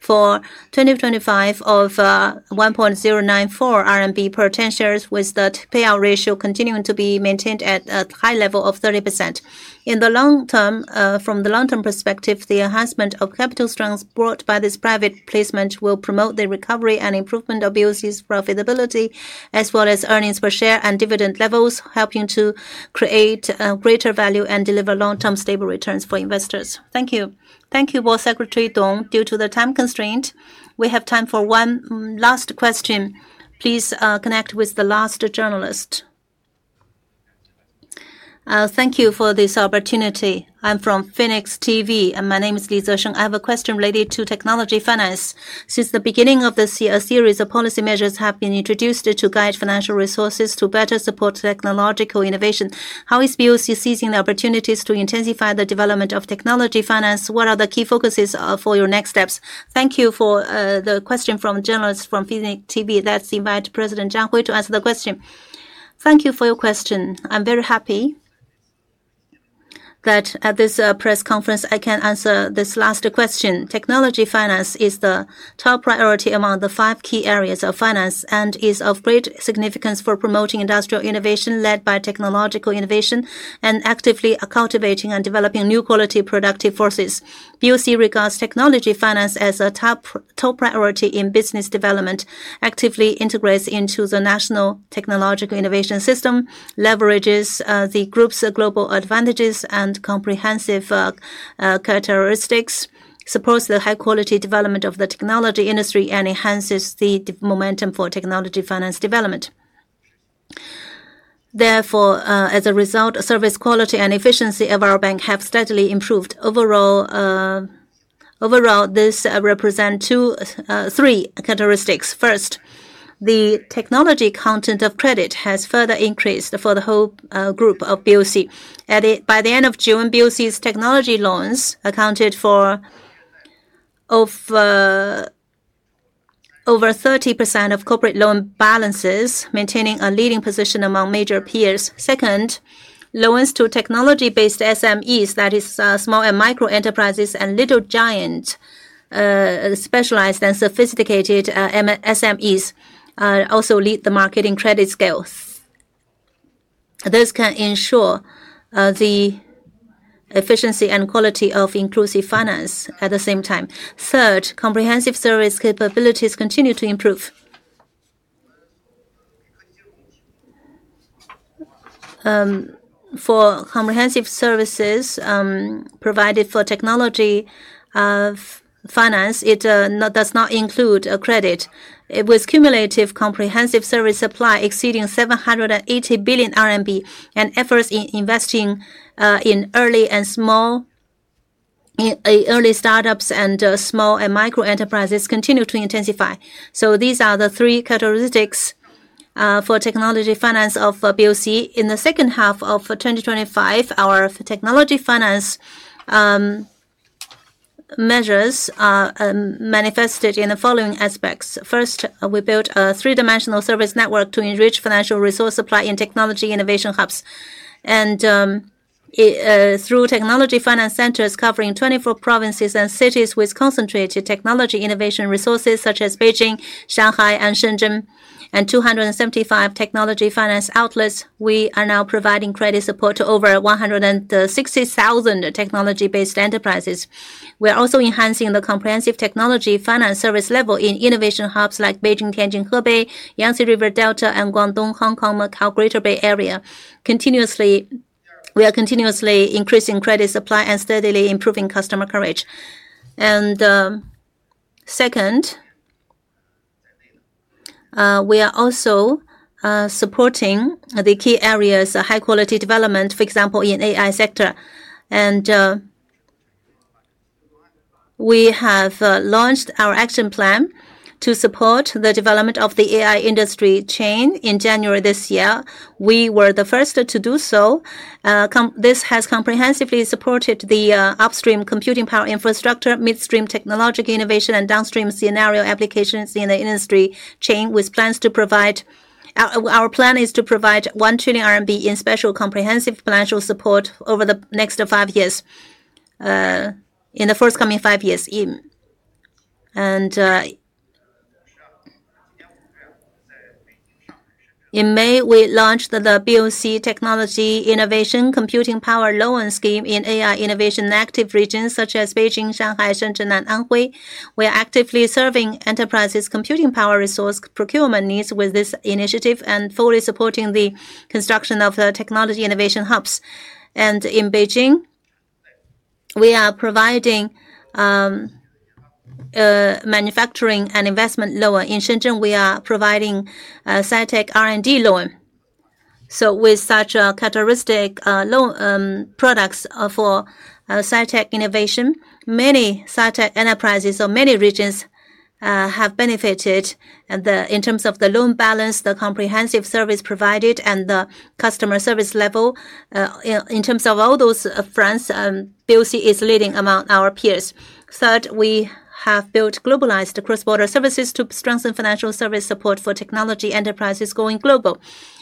for 2025 of 1.094 RMB per 10 shares, with the payout ratio continuing to be maintained at a high level of 30%. From the long-term perspective, the enhancement of capital strength brought by this private placement will promote the recovery and improvement of Bank of China's profitability, as well as earnings per share and dividend levels, helping to create greater value and deliver long-term stable returns for investors. Thank you. Thank you, Board Secretary Zhuo. Due to the time constraint, we have time for one last question. Please connect with the last journalist. Thank you for this opportunity. I'm from Phoenix TV, and my name is Lingli Deng. I have a question related to technology finance. Since the beginning of this year, a series of policy measures have been introduced to guide financial resources to better support technological innovation. How is Bank of China seizing the opportunities to intensify the development of technology finance? What are the key focuses for your next steps? Thank you for the question from journalists from Phoenix TV. Let's invite President Hui Zhang to answer the question. Thank you for your question. I'm very happy that at this press conference, I can answer this last question. Technology finance is the top priority among the five key areas of finance and is of great significance for promoting industrial innovation led by technological innovation and actively cultivating and developing new quality productive forces. Bank of China regards technology finance as a top priority in business development, actively integrates into the national technological innovation system, leverages the group's global advantages and comprehensive characteristics, supports the high-quality development of the technology industry, and enhances the momentum for technology finance development. Therefore, as a result, service quality and efficiency of our bank have steadily improved. Overall, this represents three characteristics. First, the technology content of credit has further increased for the whole group of Bank of China. By the end of June, Bank of China's technology loans accounted for over 30% of corporate loan balances, maintaining a leading position among major peers. Second, loans to technology-based SMEs, that is small and micro enterprises and little giants, specialized and sophisticated SMEs, also lead the market in credit scales. This can ensure the efficiency and quality of inclusive finance at the same time. Third, comprehensive service capabilities continue to improve. For comprehensive services provided for technology finance, it does not include credit. With cumulative comprehensive service supply exceeding 780 billion RMB and efforts in investing in early startups and small and micro enterprises continue to intensify. These are the three characteristics for technology finance of Bank of China. In the second half of 2025, our technology finance measures manifested in the following aspects. First, we built a three-dimensional service network to enrich financial resource supply in technology innovation hubs. Through technology finance centers covering 24 provinces and cities with concentrated technology innovation resources such as Beijing, Shanghai, and Shenzhen, and 275 technology finance outlets, we are now providing credit support to over 160,000 technology-based enterprises. We are also enhancing the comprehensive technology finance service level in innovation hubs like Beijing, Tianjin, Hebei, Yangtze River Delta, and Guangdong, Hong Kong, Macau, Greater Bay Area. We are continuously increasing credit supply and steadily improving customer coverage. Second, we are also supporting the key areas of high-quality development, for example, in the AI sector. We have launched our action plan to support the development of the AI industry chain in January this year. We were the first to do so. This has comprehensively supported the upstream computing power infrastructure, midstream technological innovation, and downstream scenario applications in the industry chain with plans to provide. Our plan is to provide 1 trillion RMB in special comprehensive financial support over the next five years. In May, we launched the POC technology innovation computing power loan scheme in AI innovation active regions, such as Beijing, Shanghai, Shenzhen, and Anhui. We are actively serving enterprises' computing power resource procurement needs with this initiative and fully supporting the construction of the technology innovation hubs. In Beijing, we are providing manufacturing and investment loan. In Shenzhen, we are providing SiTech R&D loan. With such characteristic loan products for SiTech innovation, many SiTech enterprises or many regions have benefited in terms of the loan balance, the comprehensive service provided, and the customer service level. In terms of all those fronts, POC is leading among our peers. Third, we have built globalized cross-border services to strengthen financial service support for technology enterprises going global,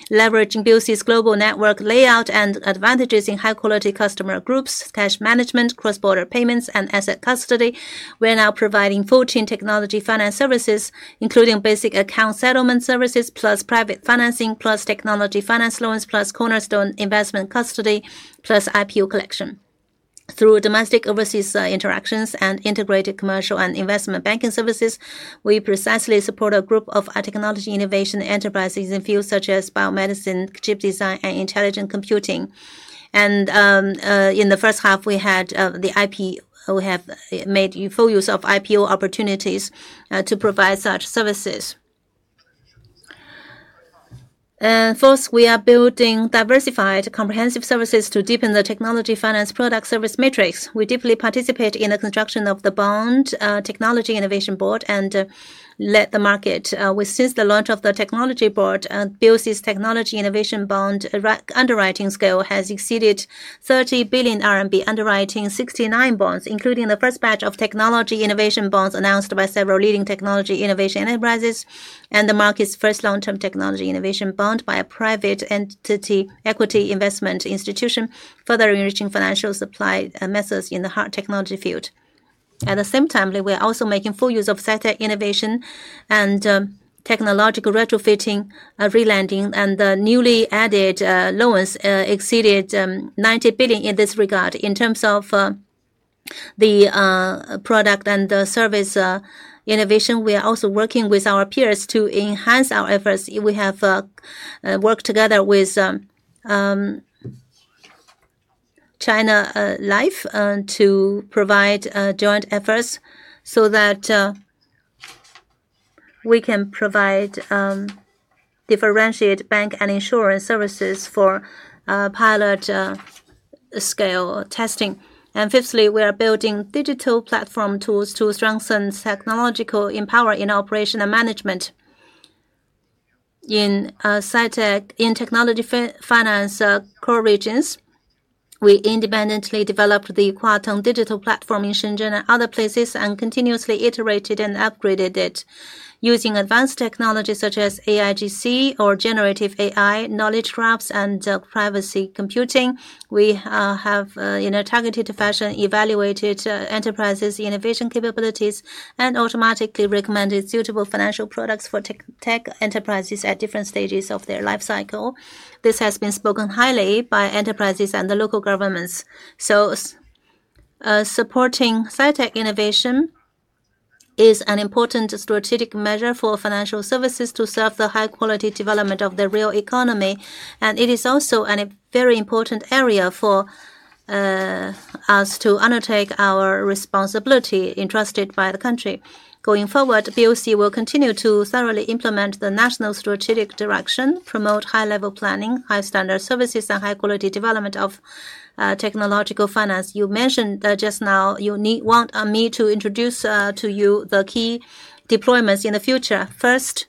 leveraging BOC's global network layout and advantages in high-quality customer groups, cash management, cross-border payments, and asset custody. We are now providing 14 technology finance services, including basic account settlement services, private financing, technology finance loans, cornerstone investment custody, and IPO collection. Through domestic overseas interactions and integrated commercial and investment banking services, we precisely support a group of technology innovation enterprises in fields such as biomedicine, chip design, and intelligent computing. In the first half, we had made full use of IPO opportunities to provide such services. Fourth, we are building diversified comprehensive services to deepen the technology finance product service matrix. We deeply participate in the construction of the Bond Technology Innovation Board and let the market. Since the launch of the technology board, Bank of China's technology innovation bond underwriting scale has exceeded 30 billion RMB, underwriting 69 bonds, including the first batch of technology innovation bonds announced by several leading technology innovation enterprises and the market's first long-term technology innovation bond by a private equity investment institution, further enriching financial supply methods in the hard technology field. At the same time, we are also making full use of SiTech innovation and technological retrofitting, relanding, and the newly added loans exceeded 90 billion in this regard. In terms of the product and the service innovation, we are also working with our peers to enhance our efforts. We have worked together with China Life to provide joint efforts so that we can provide differentiated bank and insurance services for pilot scale testing. Fifthly, we are building digital platform tools to strengthen technological empowerment in operation and management in technology finance core regions. We independently developed the Quantum Digital Platform in Shenzhen and other places and continuously iterated and upgraded it using advanced technologies such as AIGC or generative AI, knowledge graphs, and privacy computing. We have in a targeted fashion evaluated enterprises' innovation capabilities and automatically recommended suitable financial products for tech enterprises at different stages of their lifecycle. This has been spoken highly of by enterprises and the local governments. Supporting SiTech innovation is an important strategic measure for financial services to serve the high-quality development of the real economy. It is also a very important area for us to undertake our responsibility entrusted by the country. Going forward, Bank of China will continue to thoroughly implement the national strategic direction, promote high-level planning, high-standard services, and high-quality development of technological finance. You mentioned just now you want me to introduce to you the key deployments in the future. First,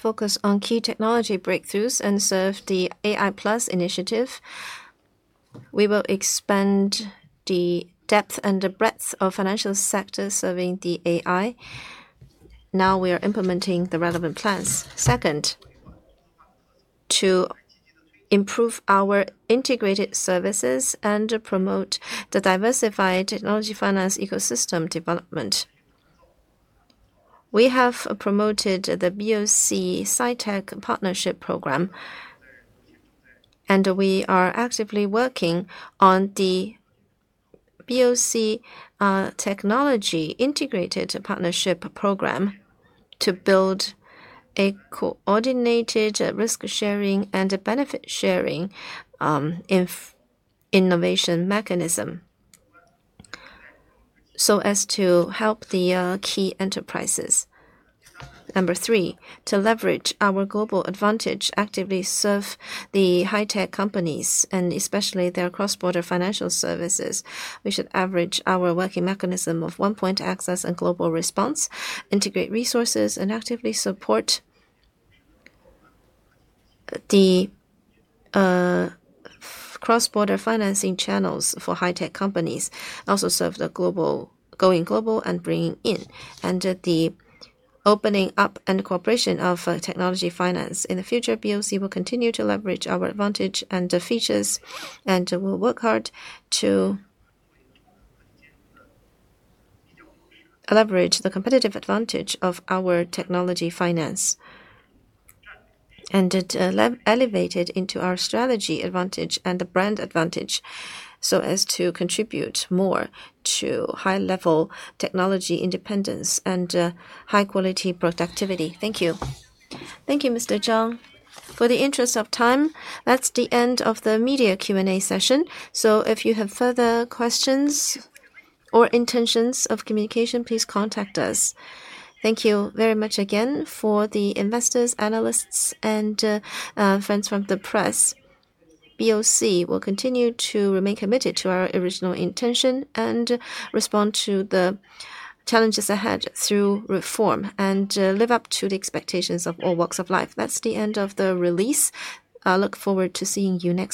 focus on key technology breakthroughs and serve the AI Plus initiative. We will expand the depth and the breadth of financial sectors serving the AI. Now, we are implementing the relevant plans. Second, to improve our integrated services and promote the diversified technology finance ecosystem development. We have promoted the Bank of China SiTech Partnership Program. We are actively working on the POC Technology Integrated Partnership Program to build a coordinated risk sharing and benefit sharing innovation mechanism so as to help the key enterprises. Number three, to leverage our global advantage, actively serve the high-tech companies and especially their cross-border financial services. We should leverage our working mechanism of one-point access and global response, integrate resources, and actively support the cross-border financing channels for high-tech companies. Also, serve the global, going global and bringing in and the opening up and cooperation of technology finance. In the future, Bank of China will continue to leverage our advantage and features and will work hard to leverage the competitive advantage of our technology finance and elevate it into our strategy advantage and the brand advantage so as to contribute more to high-level technology independence and high-quality productivity. Thank you. Thank you, Mr. Zheng. For the interest of time, that's the end of the media Q&A session. If you have further questions or intentions of communication, please contact us. Thank you very much again for the investors, analysts, and friends from the press. Bank of China will continue to remain committed to our original intention and respond to the challenges ahead through reform and live up to the expectations of all walks of life. That's the end of the release. I look forward to seeing you next.